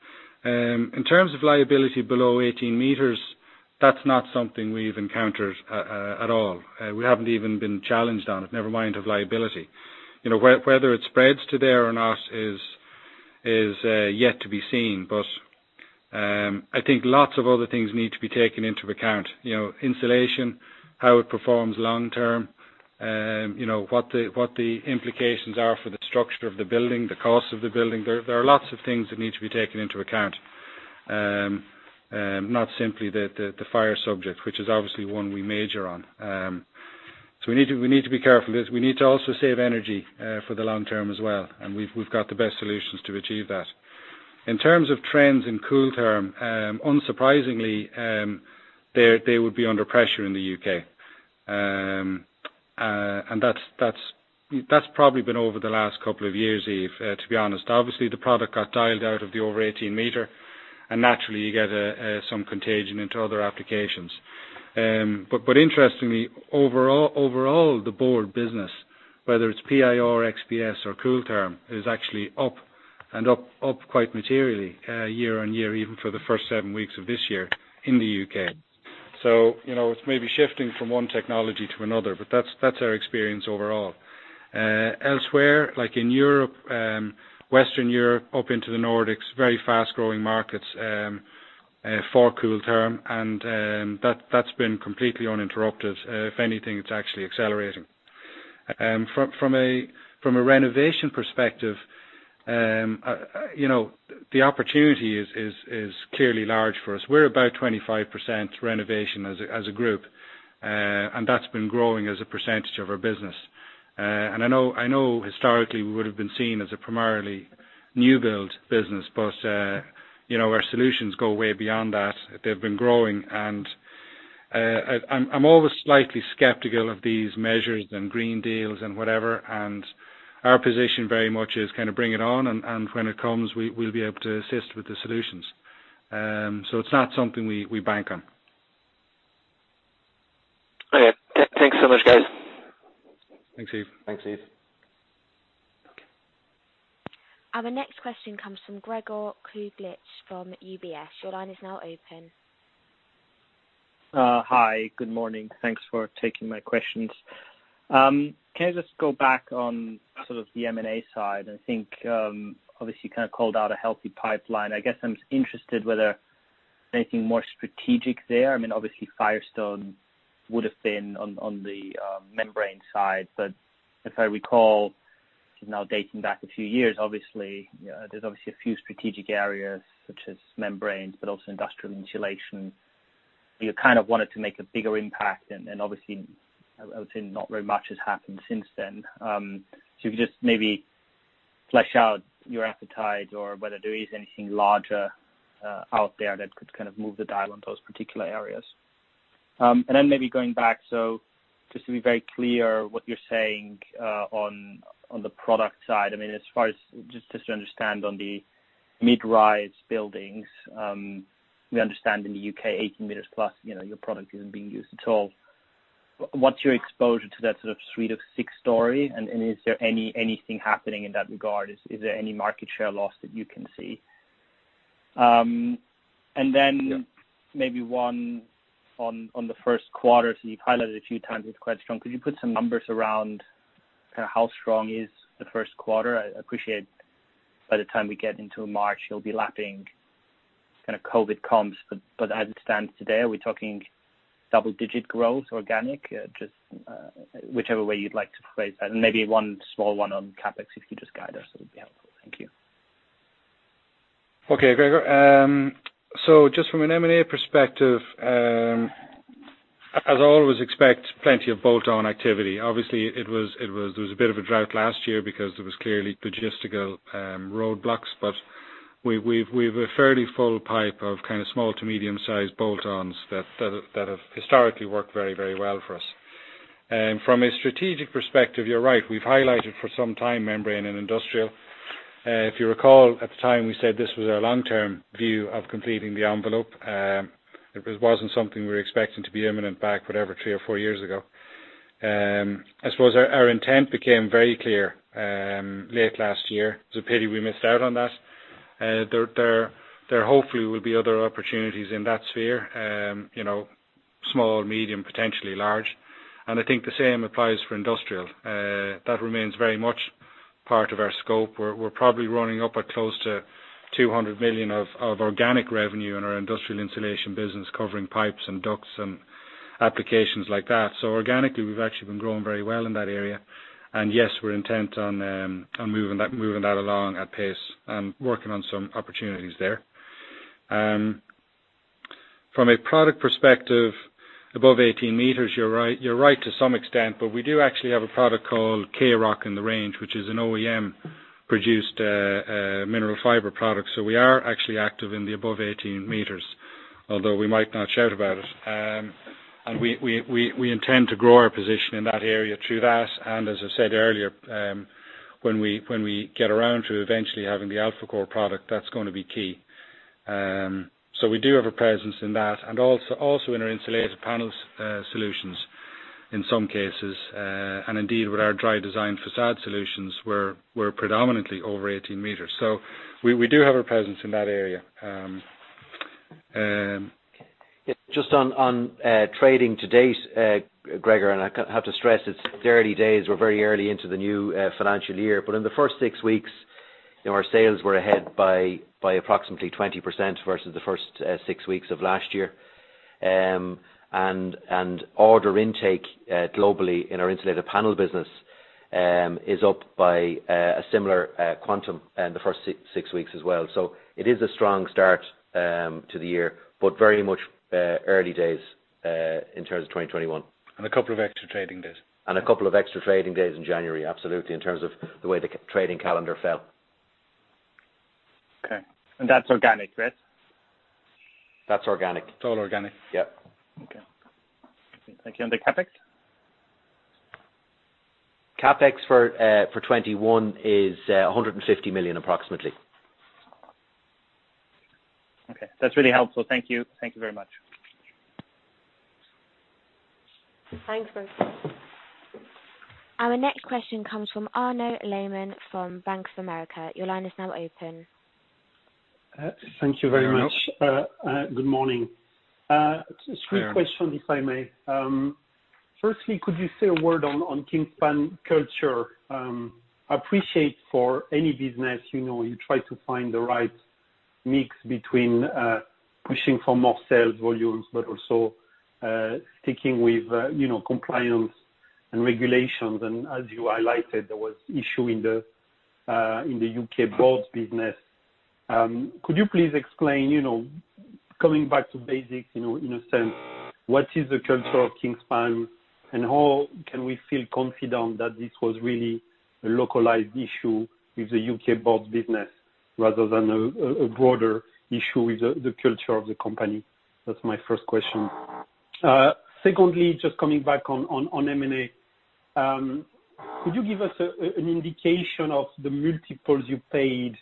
In terms of liability below 18 m, that's not something we've encountered at all. We haven't even been challenged on it, never mind of liability. Whether it spreads to there or not is yet to be seen. I think lots of other things need to be taken into account. Insulation, how it performs long term, what the implications are for the structure of the building, the cost of the building. There are lots of things that need to be taken into account, not simply the fire subject, which is obviously one we major on. We need to be careful because we need to also save energy for the long term as well, and we've got the best solutions to achieve that. In terms of trends in Kooltherm, unsurprisingly, they would be under pressure in the U.K. That's probably been over the last couple of years, Yves, to be honest. Obviously, the product got dialed out of the over 18 m, and naturally you get some contagion into other applications. Interestingly, overall, the board business, whether it's PIR, XPS or Kooltherm, is actually up, and up quite materially year-on-year, even for the first seven weeks of this year in the U.K. It's maybe shifting from one technology to another, but that's our experience overall. Elsewhere, like in Europe, Western Europe, up into the Nordics, very fast-growing markets for Kooltherm, and that's been completely uninterrupted. If anything, it's actually accelerating. From a renovation perspective, the opportunity is clearly large for us. We're about 25% renovation as a group, and that's been growing as a percentage of our business. I know historically we would have been seen as a primarily new build business, but our solutions go way beyond that. They've been growing. I'm always slightly skeptical of these measures and Green Deal and whatever. Our position very much is kind of bring it on and when it comes, we'll be able to assist with the solutions. It's not something we bank on. Okay. Thanks so much, guys. Thanks, Yves. Our next question comes from Gregor Kuglitsch from UBS. Your line is now open. Hi, good morning. Thanks for taking my questions. Can I just go back on sort of the M&A side? Think, obviously you kind of called out a healthy pipeline. I guess I'm interested whether anything more strategic there, obviously Firestone would've been on the membrane side, but if I recall, now dating back a few years, there's obviously a few strategic areas such as membranes, but also industrial insulation. You kind of wanted to make a bigger impact and, obviously, I would say not very much has happened since then. If you could just maybe flesh out your appetite or whether there is anything larger out there that could kind of move the dial on those particular areas. Just to be very clear what you're saying on the product side, just to understand on the mid-rise buildings, we understand in the U.K., 18+ m, your product isn't being used at all. What's your exposure to that sort of suite of six story, and is there anything happening in that regard? Is there any market share loss that you can see? One on the first quarter. You've highlighted a few times it's quite strong. Could you put some numbers around kind of how strong is the first quarter? I appreciate by the time we get into March, you'll be lapping kind of COVID comps, but as it stands today, are we talking double digit growth organic? Just whichever way you'd like to phrase that. Maybe one small one on CapEx if you could just guide us, that would be helpful. Thank you. Okay, Gregor. Just from an M&A perspective, as I always expect, plenty of bolt-on activity. Obviously, there was a bit of a drought last year because there was clearly logistical roadblocks, but we've a fairly full pipe of kind of small to medium sized bolt-ons that have historically worked very well for us. From a strategic perspective, you're right, we've highlighted for some time membrane and industrial. If you recall at the time, we said this was our long-term view of completing the envelope. It wasn't something we were expecting to be imminent back, whatever, three or four years ago. I suppose our intent became very clear late last year. It's a pity we missed out on that. There hopefully will be other opportunities in that sphere. Small, medium, potentially large, and I think the same applies for industrial. That remains very much part of our scope. We're probably running up at close to 200 million of organic revenue in our industrial insulation business, covering pipes and ducts and applications like that. Organically, we've actually been growing very well in that area, and yes, we're intent on moving that along at pace and working on some opportunities there. From a product perspective, above 18 m, you're right to some extent, but we do actually have a product called K-Roc in the range, which is an OEM produced, mineral fiber product. We are actually active in the above 18 m, although we might not shout about it. We intend to grow our position in that area through that, and as I said earlier, when we get around to eventually having the AlphaCore product, that's going to be key. We do have a presence in that and also in our insulated panels solutions in some cases. Indeed, with our Dri-Design facade solutions, we're predominantly over 18 m, so we do have a presence in that area. Just on trading to date, Gregor, I have to stress it's early days. We're very early into the new financial year, but in the first six weeks, our sales were ahead by approximately 20% versus the first six weeks of last year. Order intake globally in our Insulated Panels business, is up by a similar quantum in the first six weeks as well. It is a strong start to the year, but very much early days in terms of 2021. A couple of extra trading days. A couple of extra trading days in January, absolutely, in terms of the way the trading calendar fell. Okay, that's organic, right? That's organic. It's all organic. Yep. Okay. Thank you. The CapEx? CapEx for 2021 is EUR 150 million approximately. Okay. That's really helpful. Thank you. Thank you very much. Thanks, Gregor. Our next question comes from Arnaud Lehmann from Bank of America. Your line is now open. Thank you very much. Arnaud. Good morning. Three questions, if I may. Firstly, could you say a word on Kingspan culture? I appreciate for any business, you try to find the right mix between pushing for more sales volumes, also sticking with compliance and regulations. As you highlighted, there was issue in the U.K. boards business. Could you please explain, coming back to basics, in a sense, what is the culture of Kingspan, how can we feel confident that this was really a localized issue with the U.K. boards business rather than a broader issue with the culture of the company? That's my first question. Secondly, just coming back on M&A, could you give us an indication of the multiples you paid,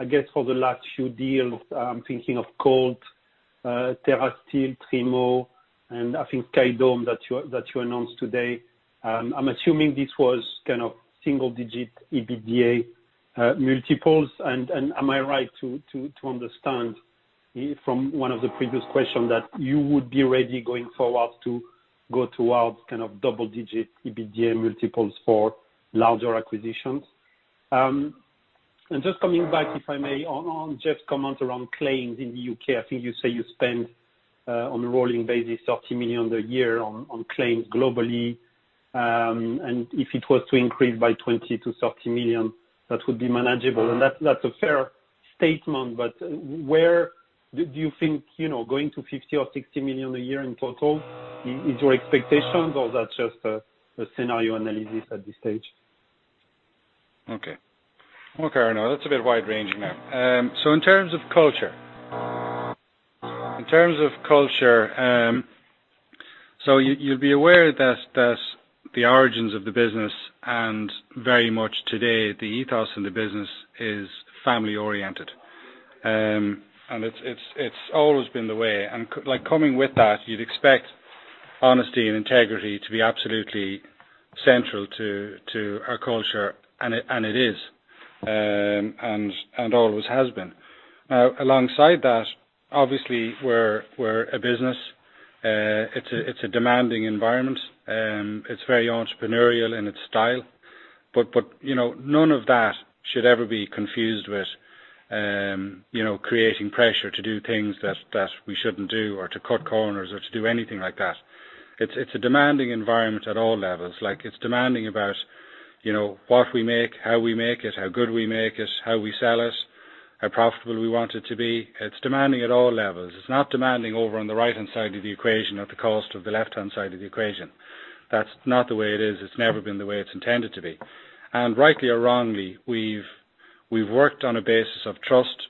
I guess, for the last few deals? I'm thinking of Colt, Terasteel, Trimo, I think Caledon that you announced today. I'm assuming this was kind of single-digit EBITDA multiples. Am I right to understand from one of the previous question that you would be ready going forward to go towards double-digit EBITDA multiples for larger acquisitions? Just coming back, if I may, on Geoff's comment around claims in the U.K., I think you say you spend on a rolling basis, 30 million a year on claims globally. If it was to increase by 20 million-30 million, that would be manageable, and that's a fair statement, but where do you think going to 50 million or 60 million a year in total is your expectations or is that just a scenario analysis at this stage? Okay. Okay, Arnaud. That's a bit wide ranging now. In terms of culture. In terms of culture, so you'd be aware that the origins of the business and very much today, the ethos in the business is family oriented. It's always been the way. Coming with that, you'd expect honesty and integrity to be absolutely central to our culture, and it is. Always has been. Now, alongside that, obviously, we're a business. It's a demanding environment. It's very entrepreneurial in its style. None of that should ever be confused with creating pressure to do things that we shouldn't do or to cut corners or to do anything like that. It's a demanding environment at all levels. It's demanding about what we make, how we make it, how good we make it, how we sell it, how profitable we want it to be. It's demanding at all levels. It's not demanding over on the right-hand side of the equation at the cost of the left-hand side of the equation. That's not the way it is. It's never been the way it's intended to be. Rightly or wrongly, we've worked on a basis of trust,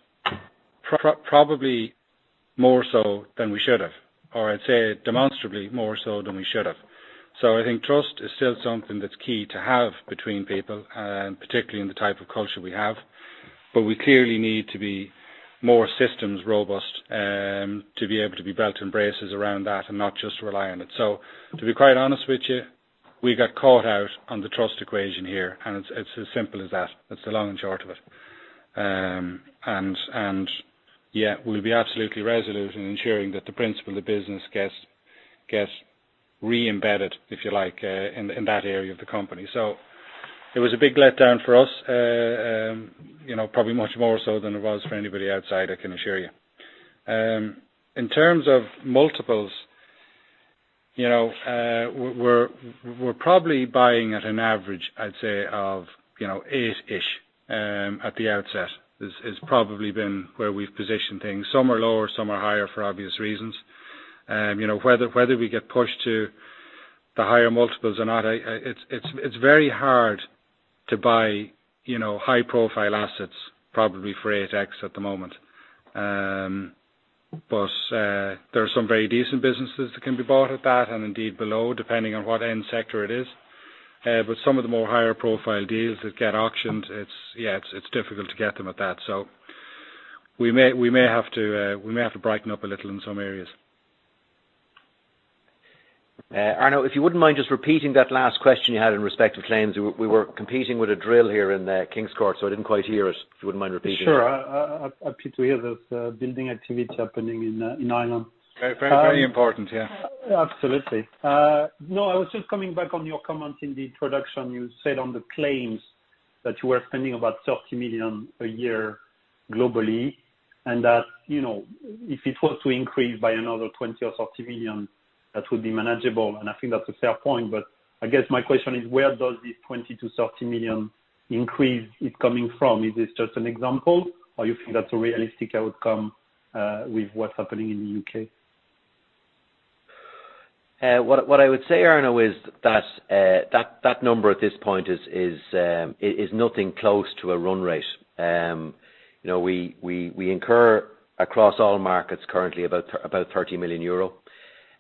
probably more so than we should have, or I'd say demonstrably more so than we should have. I think trust is still something that's key to have between people, particularly in the type of culture we have, but we clearly need to be more systems robust to be able to be belt and braces around that and not just rely on it. To be quite honest with you, we got caught out on the trust equation here, and it's as simple as that. That's the long and short of it. Yeah, we'll be absolutely resolute in ensuring that the principle of the business gets re-embedded, if you like, in that area of the company. It was a big letdown for us, probably much more so than it was for anybody outside, I can assure you. In terms of multiples, we're probably buying at an average, I'd say of eight-ish, at the outset, is probably been where we've positioned things. Some are lower, some are higher for obvious reasons. Whether we get pushed to the higher multiples or not, it's very hard to buy high profile assets probably for 8X at the moment. There are some very decent businesses that can be bought at that, and indeed below, depending on what end sector it is. Some of the more higher profile deals that get auctioned, it's difficult to get them at that. We may have to brighten up a little in some areas. Arnaud, if you wouldn't mind just repeating that last question you had in respect of claims. We were competing with a drill here in Kingscourt, so I didn't quite hear it. If you wouldn't mind repeating it. Sure. Happy to hear there's building activity happening in Ireland. Very important, yeah. Absolutely. No, I was just coming back on your comment in the introduction you said on the claims that you were spending about 30 million a year globally, and that if it was to increase by another 20 million or 30 million, that would be manageable, and I think that's a fair point. I guess my question is, where does this 20 million-30 million increase is coming from? Is this just an example or you think that's a realistic outcome, with what's happening in the U.K.? What I would say, Arnaud, is that number at this point is nothing close to a run rate. We incur across all markets currently about 30 million euro.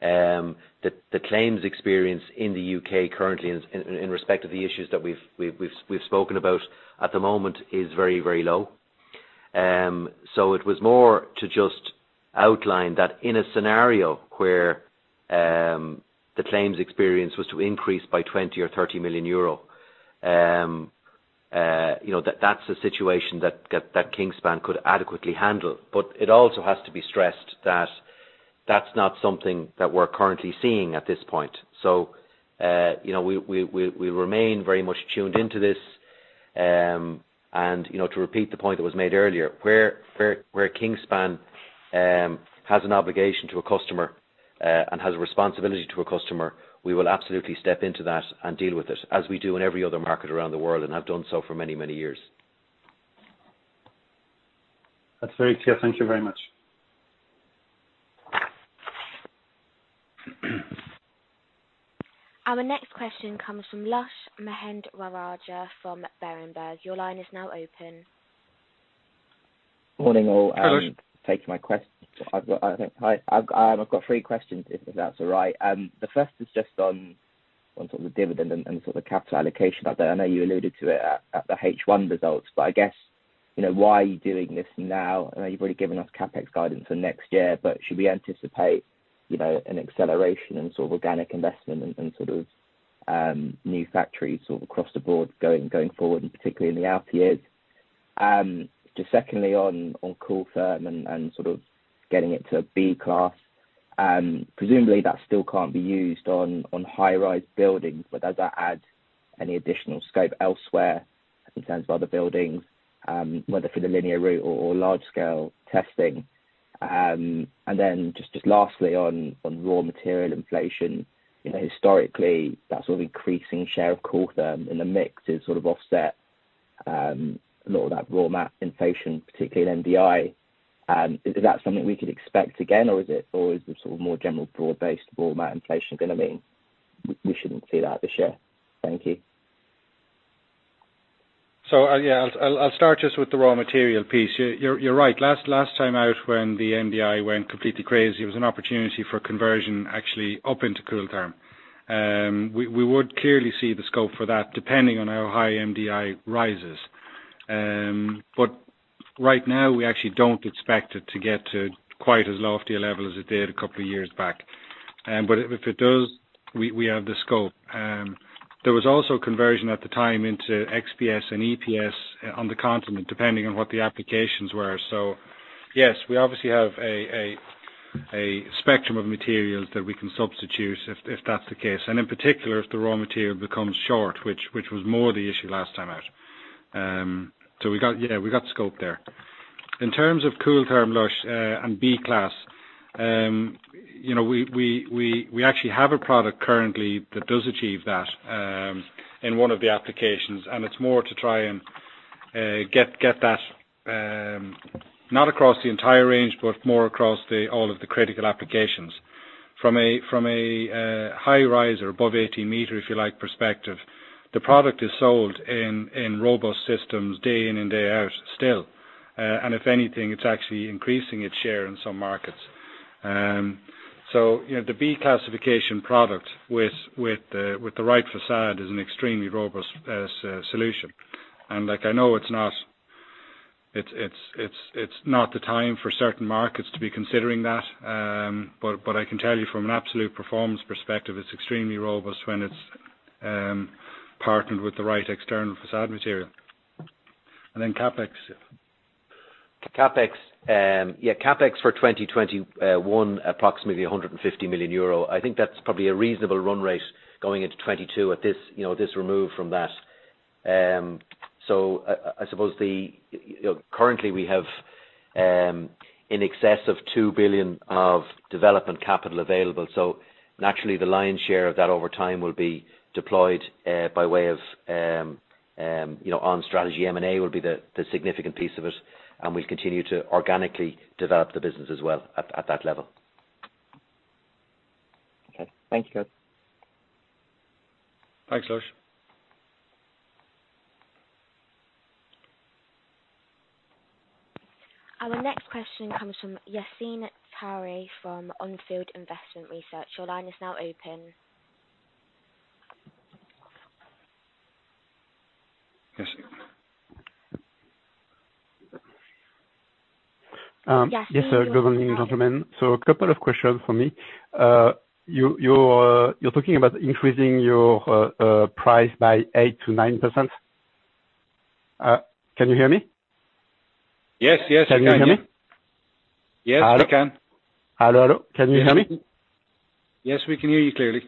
The claims experience in the U.K. currently in respect of the issues that we've spoken about at the moment is very low. It was more to just outline that in a scenario where the claims experience was to increase by 20 million or 30 million euro, that's a situation that Kingspan could adequately handle. It also has to be stressed that that's not something that we're currently seeing at this point. We remain very much tuned into this. To repeat the point that was made earlier, where Kingspan has an obligation to a customer, and has a responsibility to a customer, we will absolutely step into that and deal with it, as we do in every other market around the world and have done so for many years. That's very clear. Thank you very much. Our next question comes from Lash Mahendrarajah from Berenberg. Your line is now open. Morning all. Hello. Thanks. I've got three questions, if that's all right. The first is on the dividend and capital allocation. I know you alluded to it at the H1 results. Why are you doing this now? I know you've already given us CapEx guidance for next year. Should we anticipate an acceleration in organic investment and new factories across the board going forward, and particularly in the out years? Secondly, on Kooltherm and getting it to B class. Presumably that still cannot be used on high-rise buildings. Does that add any additional scope elsewhere in terms of other buildings, whether for the linear route or large scale testing? Lastly, on raw material inflation. Historically, that sort of increasing share of Kooltherm in the mix has sort of offset a lot of that raw mat inflation, particularly in MDI. Is that something we could expect again, or is the sort of more general broad-based raw mat inflation going to mean we shouldn't see that this year? Thank you. Yeah, I'll start just with the raw material piece. You're right. Last time out, when the MDI went completely crazy, it was an opportunity for conversion actually up into Kooltherm. We would clearly see the scope for that depending on how high MDI rises. Right now, we actually don't expect it to get to quite as lofty a level as it did a couple of years back. If it does, we have the scope. There was also conversion at the time into XPS and EPS on the continent, depending on what the applications were. Yes, we obviously have a spectrum of materials that we can substitute if that's the case, and in particular, if the raw material becomes short, which was more the issue last time out. We got scope there. In terms of Kooltherm, Lash, and B class, we actually have a product currently that does achieve that in one of the applications. It's more to try and get that, not across the entire range, but more across all of the critical applications. From a high riser above 18 m, if you like, perspective, the product is sold in robust systems day in and day out still. If anything, it's actually increasing its share in some markets. The B classification product with the right facade is an extremely robust solution. I know it's not the time for certain markets to be considering that. What I can tell you from an absolute performance perspective, it's extremely robust when it's partnered with the right external facade material. CapEx. Yeah, CapEx for 2021, approximately 150 million euro. I think that's probably a reasonable run rate going into 2022 at this remove from that. I suppose currently we have in excess of 2 billion of development capital available. Naturally, the lion's share of that over time will be deployed by way of, on strategy M&A will be the significant piece of it, and we'll continue to organically develop the business as well at that level. Okay. Thank you. Thanks, Lash. Our next question comes from Yassine Touahri from On Field Investment Research. Your line is now open. Yassine. Yassine, you're on the line. Yes, good morning, gentlemen. A couple of questions from me. You're talking about increasing your price by 8%-9%. Can you hear me? Yes, yes, we can. Can you hear me? Yes, we can. Hello, hello. Can you hear me? Yes, we can hear you clearly.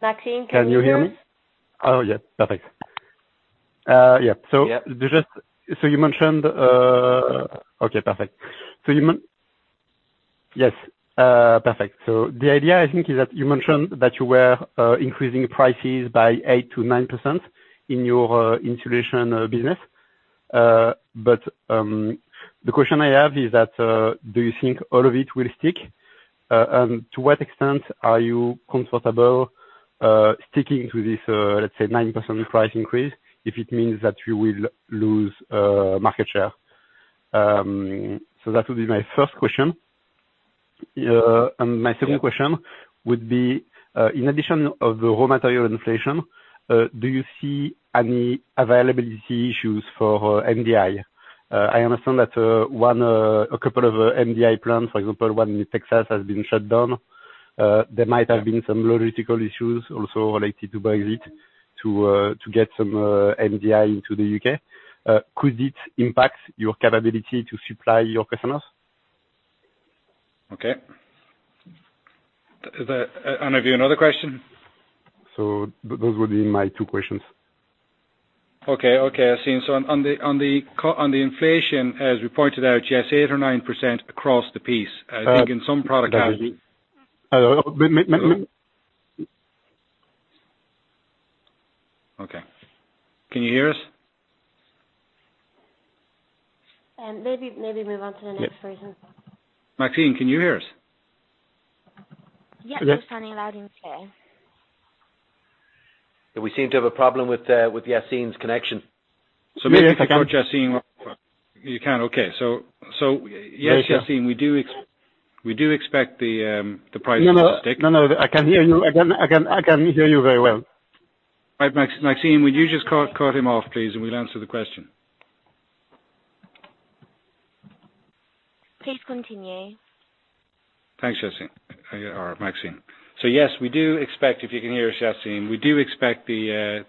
Maxine, can you hear us? Can you hear me? Oh, yes. Perfect. Yeah. You mentioned, okay, perfect. Yes, perfect. The idea, I think, is that you mentioned that you were increasing prices by 8%-9% in your Insulation business. The question I have is that, do you think all of it will stick? To what extent are you comfortable sticking to this, let's say, 9% price increase if it means that you will lose market share? That would be my first question. My second question would be, in addition of the raw material inflation, do you see any availability issues for MDI? I understand that a couple of MDI plants, for example, one in Texas has been shut down. There might have been some logistical issues also related to Brexit to get some MDI into the U.K. Could it impact your capability to supply your customers? Okay. Have you another question? Those would be my two questions. Okay. Yassine, on the inflation, as we pointed out, yes, 8% or 9% across the piece. I think in some product categories- Hello. Okay. Can you hear us? Maybe move on to the next person. Maxine, can you hear us? Yes, just turning it loud in case. We seem to have a problem with Yassine's connection. Maybe if I go Yassine. You can? Okay. yes, Yassine, we do expect the prices to stick. No, I can hear you very well. All right. Maxine, would you just cut him off, please, and we'll answer the question. Please continue. Thanks, Maxine. Yes, if you can hear us, Yassine, we do expect the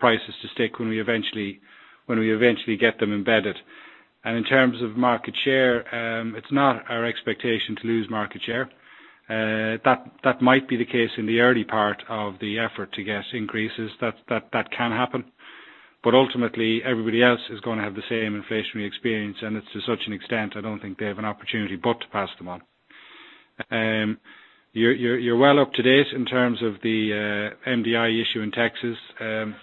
prices to stick when we eventually get them embedded. In terms of market share, it's not our expectation to lose market share. That might be the case in the early part of the effort to get increases. That can happen. Ultimately, everybody else is going to have the same inflationary experience, and it's to such an extent, I don't think they have an opportunity but to pass them on. You're well up to date in terms of the MDI issue in Texas. A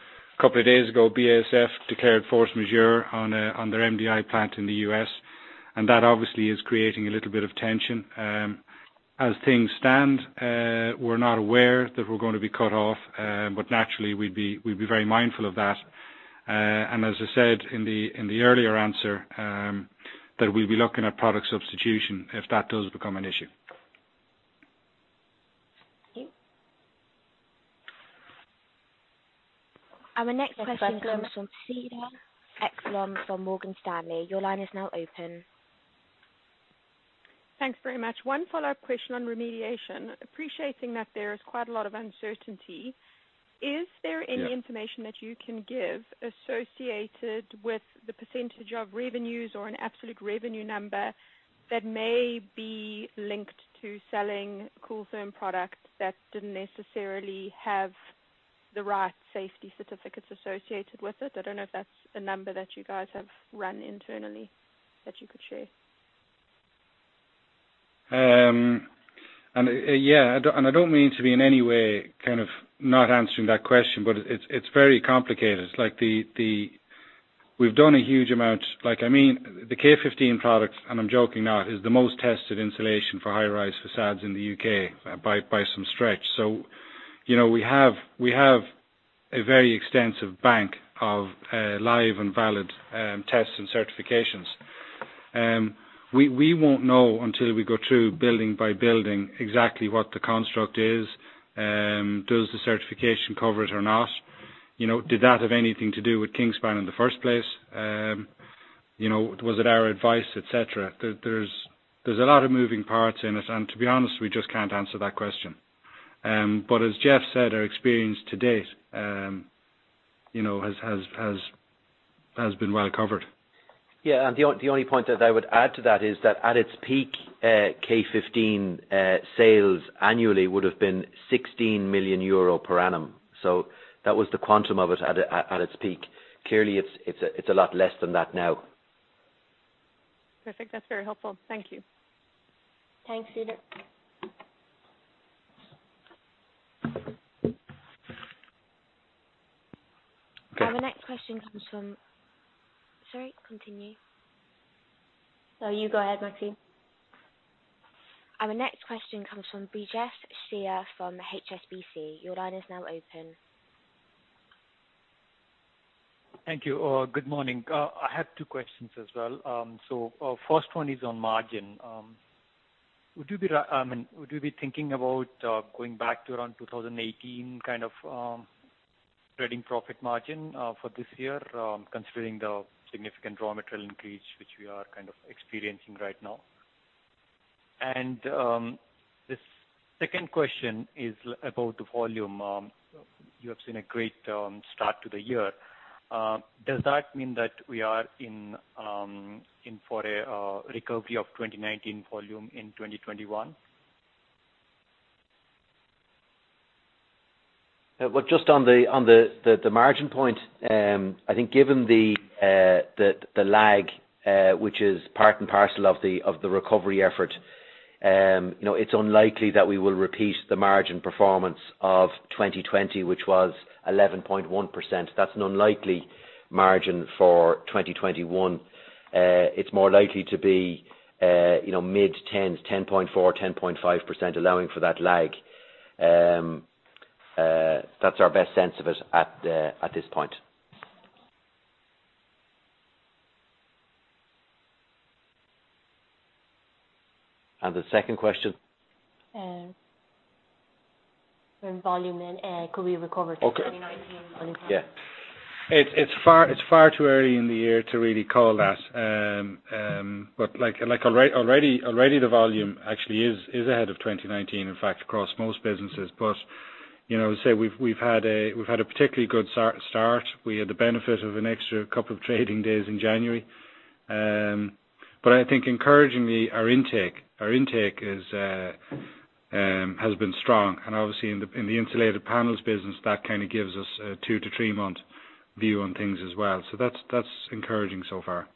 couple of days ago, BASF declared force majeure on their MDI plant in the U.S., and that obviously is creating a little bit of tension. As things stand, we're not aware that we're going to be cut off, but naturally, we'd be very mindful of that. As I said in the earlier answer, that we'll be looking at product substitution if that does become an issue. Thank you. Our next question comes from Cedar Ekblom from Morgan Stanley. Your line is now open. Thanks very much. One follow-up question on remediation. Appreciating that there is quite a lot of uncertainty, is there- Yeah information that you can give associated with the percentage of revenues or an absolute revenue number that may be linked to selling Kooltherm products that didn't necessarily have the right safety certificates associated with it? I don't know if that's a number that you guys have run internally that you could share. Yeah. I don't mean to be in any way kind of not answering that question, but it's very complicated. We've done a huge amount. The K15 product, and I'm joking not, is the most tested insulation for high-rise facades in the U.K. by some stretch. We have a very extensive bank of live and valid tests and certifications. We won't know until we go through building by building exactly what the construct is. Does the certification cover it or not? Did that have anything to do with Kingspan in the first place? Was it our advice, et cetera? There's a lot of moving parts in it, and to be honest, we just can't answer that question. As Geoff said, our experience to date has been well covered. Yeah, the only point that I would add to that is that at its peak, K15 sales annually would have been 16 million euro per annum. That was the quantum of it at its peak. Clearly, it's a lot less than that now. Perfect. That's very helpful. Thank you. Thanks, Cedar. Sorry, continue. No, you go ahead, Maxine. Our next question comes from Brijesh Siya from HSBC. Your line is now open. Thank you. Good morning. I have two questions as well. First one is on margin. Would you be thinking about going back to around 2018 kind of trading profit margin for this year, considering the significant raw material increase which we are kind of experiencing right now? The second question is about the volume. You have seen a great start to the year. Does that mean that we are in for a recovery of 2019 volume in 2021? Well, just on the margin point, I think given the lag, which is part and parcel of the recovery effort, it's unlikely that we will repeat the margin performance of 2020, which was 11.1%. That's an unlikely margin for 2021. It's more likely to be mid-10%, 10.4%, 10.5%, allowing for that lag. That's our best sense of it at this point. The second question? When volume could be recovered. Okay. to 2019 volume. Yeah. It's far too early in the year to really call that. Already the volume actually is ahead of 2019, in fact, across most businesses. As I say, we've had a particularly good start. We had the benefit of an extra couple of trading days in January. I think encouragingly, our intake has been strong. Obviously in the Insulated Panels business, that kind of gives us a two to three-month view on things as well. That's encouraging so far.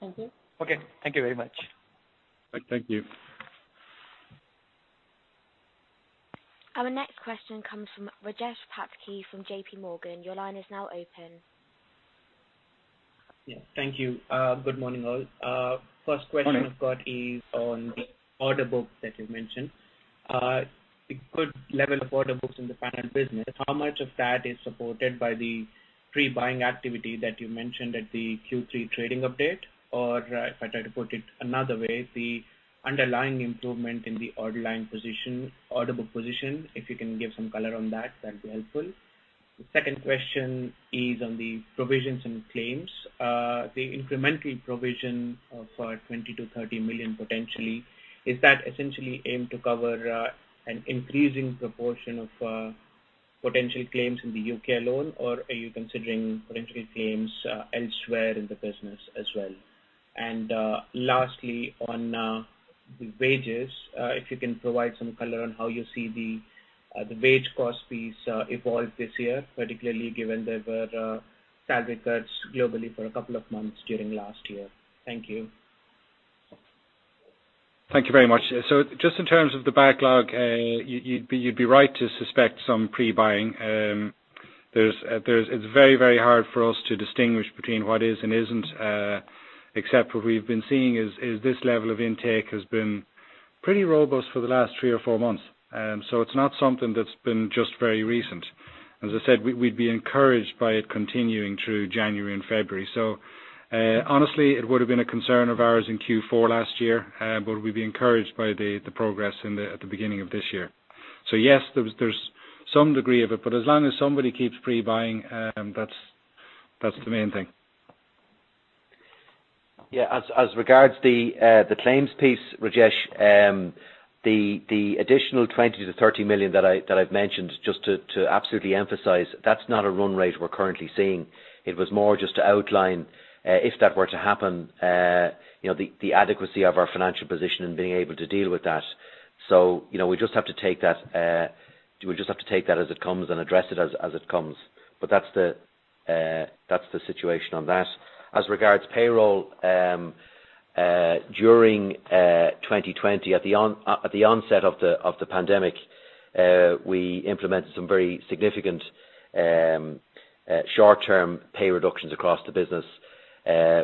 Thank you. Okay. Thank you very much. Thank you. Our next question comes from Rajesh Patki from JPMorgan. Your line is now open. Yeah. Thank you. Good morning, all. First question. Morning I've got is on the order book that you mentioned. The good level of order books in the panel business, how much of that is supported by the pre-buying activity that you mentioned at the Q3 trading update? If I try to put it another way, the underlying improvement in the order book position, if you can give some color on that'd be helpful. The second question is on the provisions and claims. The incremental provision for 20 million-30 million potentially, is that essentially aimed to cover an increasing proportion of potential claims in the U.K. alone? Are you considering potential claims elsewhere in the business as well? Lastly, on the wages, if you can provide some color on how you see the wage cost piece evolve this year, particularly given there were salary cuts globally for a couple of months during last year. Thank you. Thank you very much. Just in terms of the backlog, you'd be right to suspect some pre-buying. It's very, very hard for us to distinguish between what is and isn't, except what we've been seeing is this level of intake has been pretty robust for the last three or four months. It's not something that's been just very recent. As I said, we'd be encouraged by it continuing through January and February. Honestly, it would have been a concern of ours in Q4 last year, but we'd be encouraged by the progress at the beginning of this year. Yes, there's some degree of it, but as long as somebody keeps pre-buying, that's the main thing. Yeah. As regards the claims piece, Rajesh, the additional 20 million-30 million that I've mentioned, just to absolutely emphasize, that's not a run rate we're currently seeing. It was more just to outline, if that were to happen, the adequacy of our financial position and being able to deal with that. We just have to take that as it comes and address it as it comes. That's the situation on that. As regards payroll, during 2020, at the onset of the pandemic, we implemented some very significant short-term pay reductions across the business.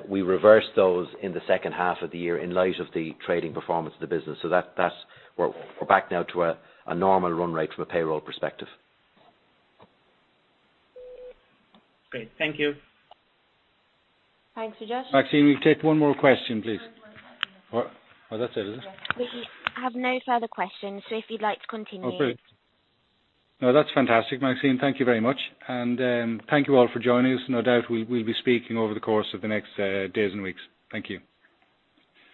We reversed those in the second half of the year in light of the trading performance of the business. We're back now to a normal run rate from a payroll perspective. Great. Thank you. Thanks, Rajesh. Maxine, we'll take one more question, please. Oh, that's it, is it? We have no further questions, so if you'd like to continue. Oh, great. No, that's fantastic, Maxine. Thank you very much. Thank you all for joining us. No doubt we'll be speaking over the course of the next days and weeks. Thank you.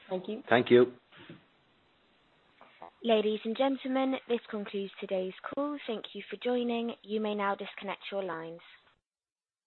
Thank you. Thank you. Ladies and gentlemen, this concludes today's call. Thank you for joining. You may now disconnect your lines.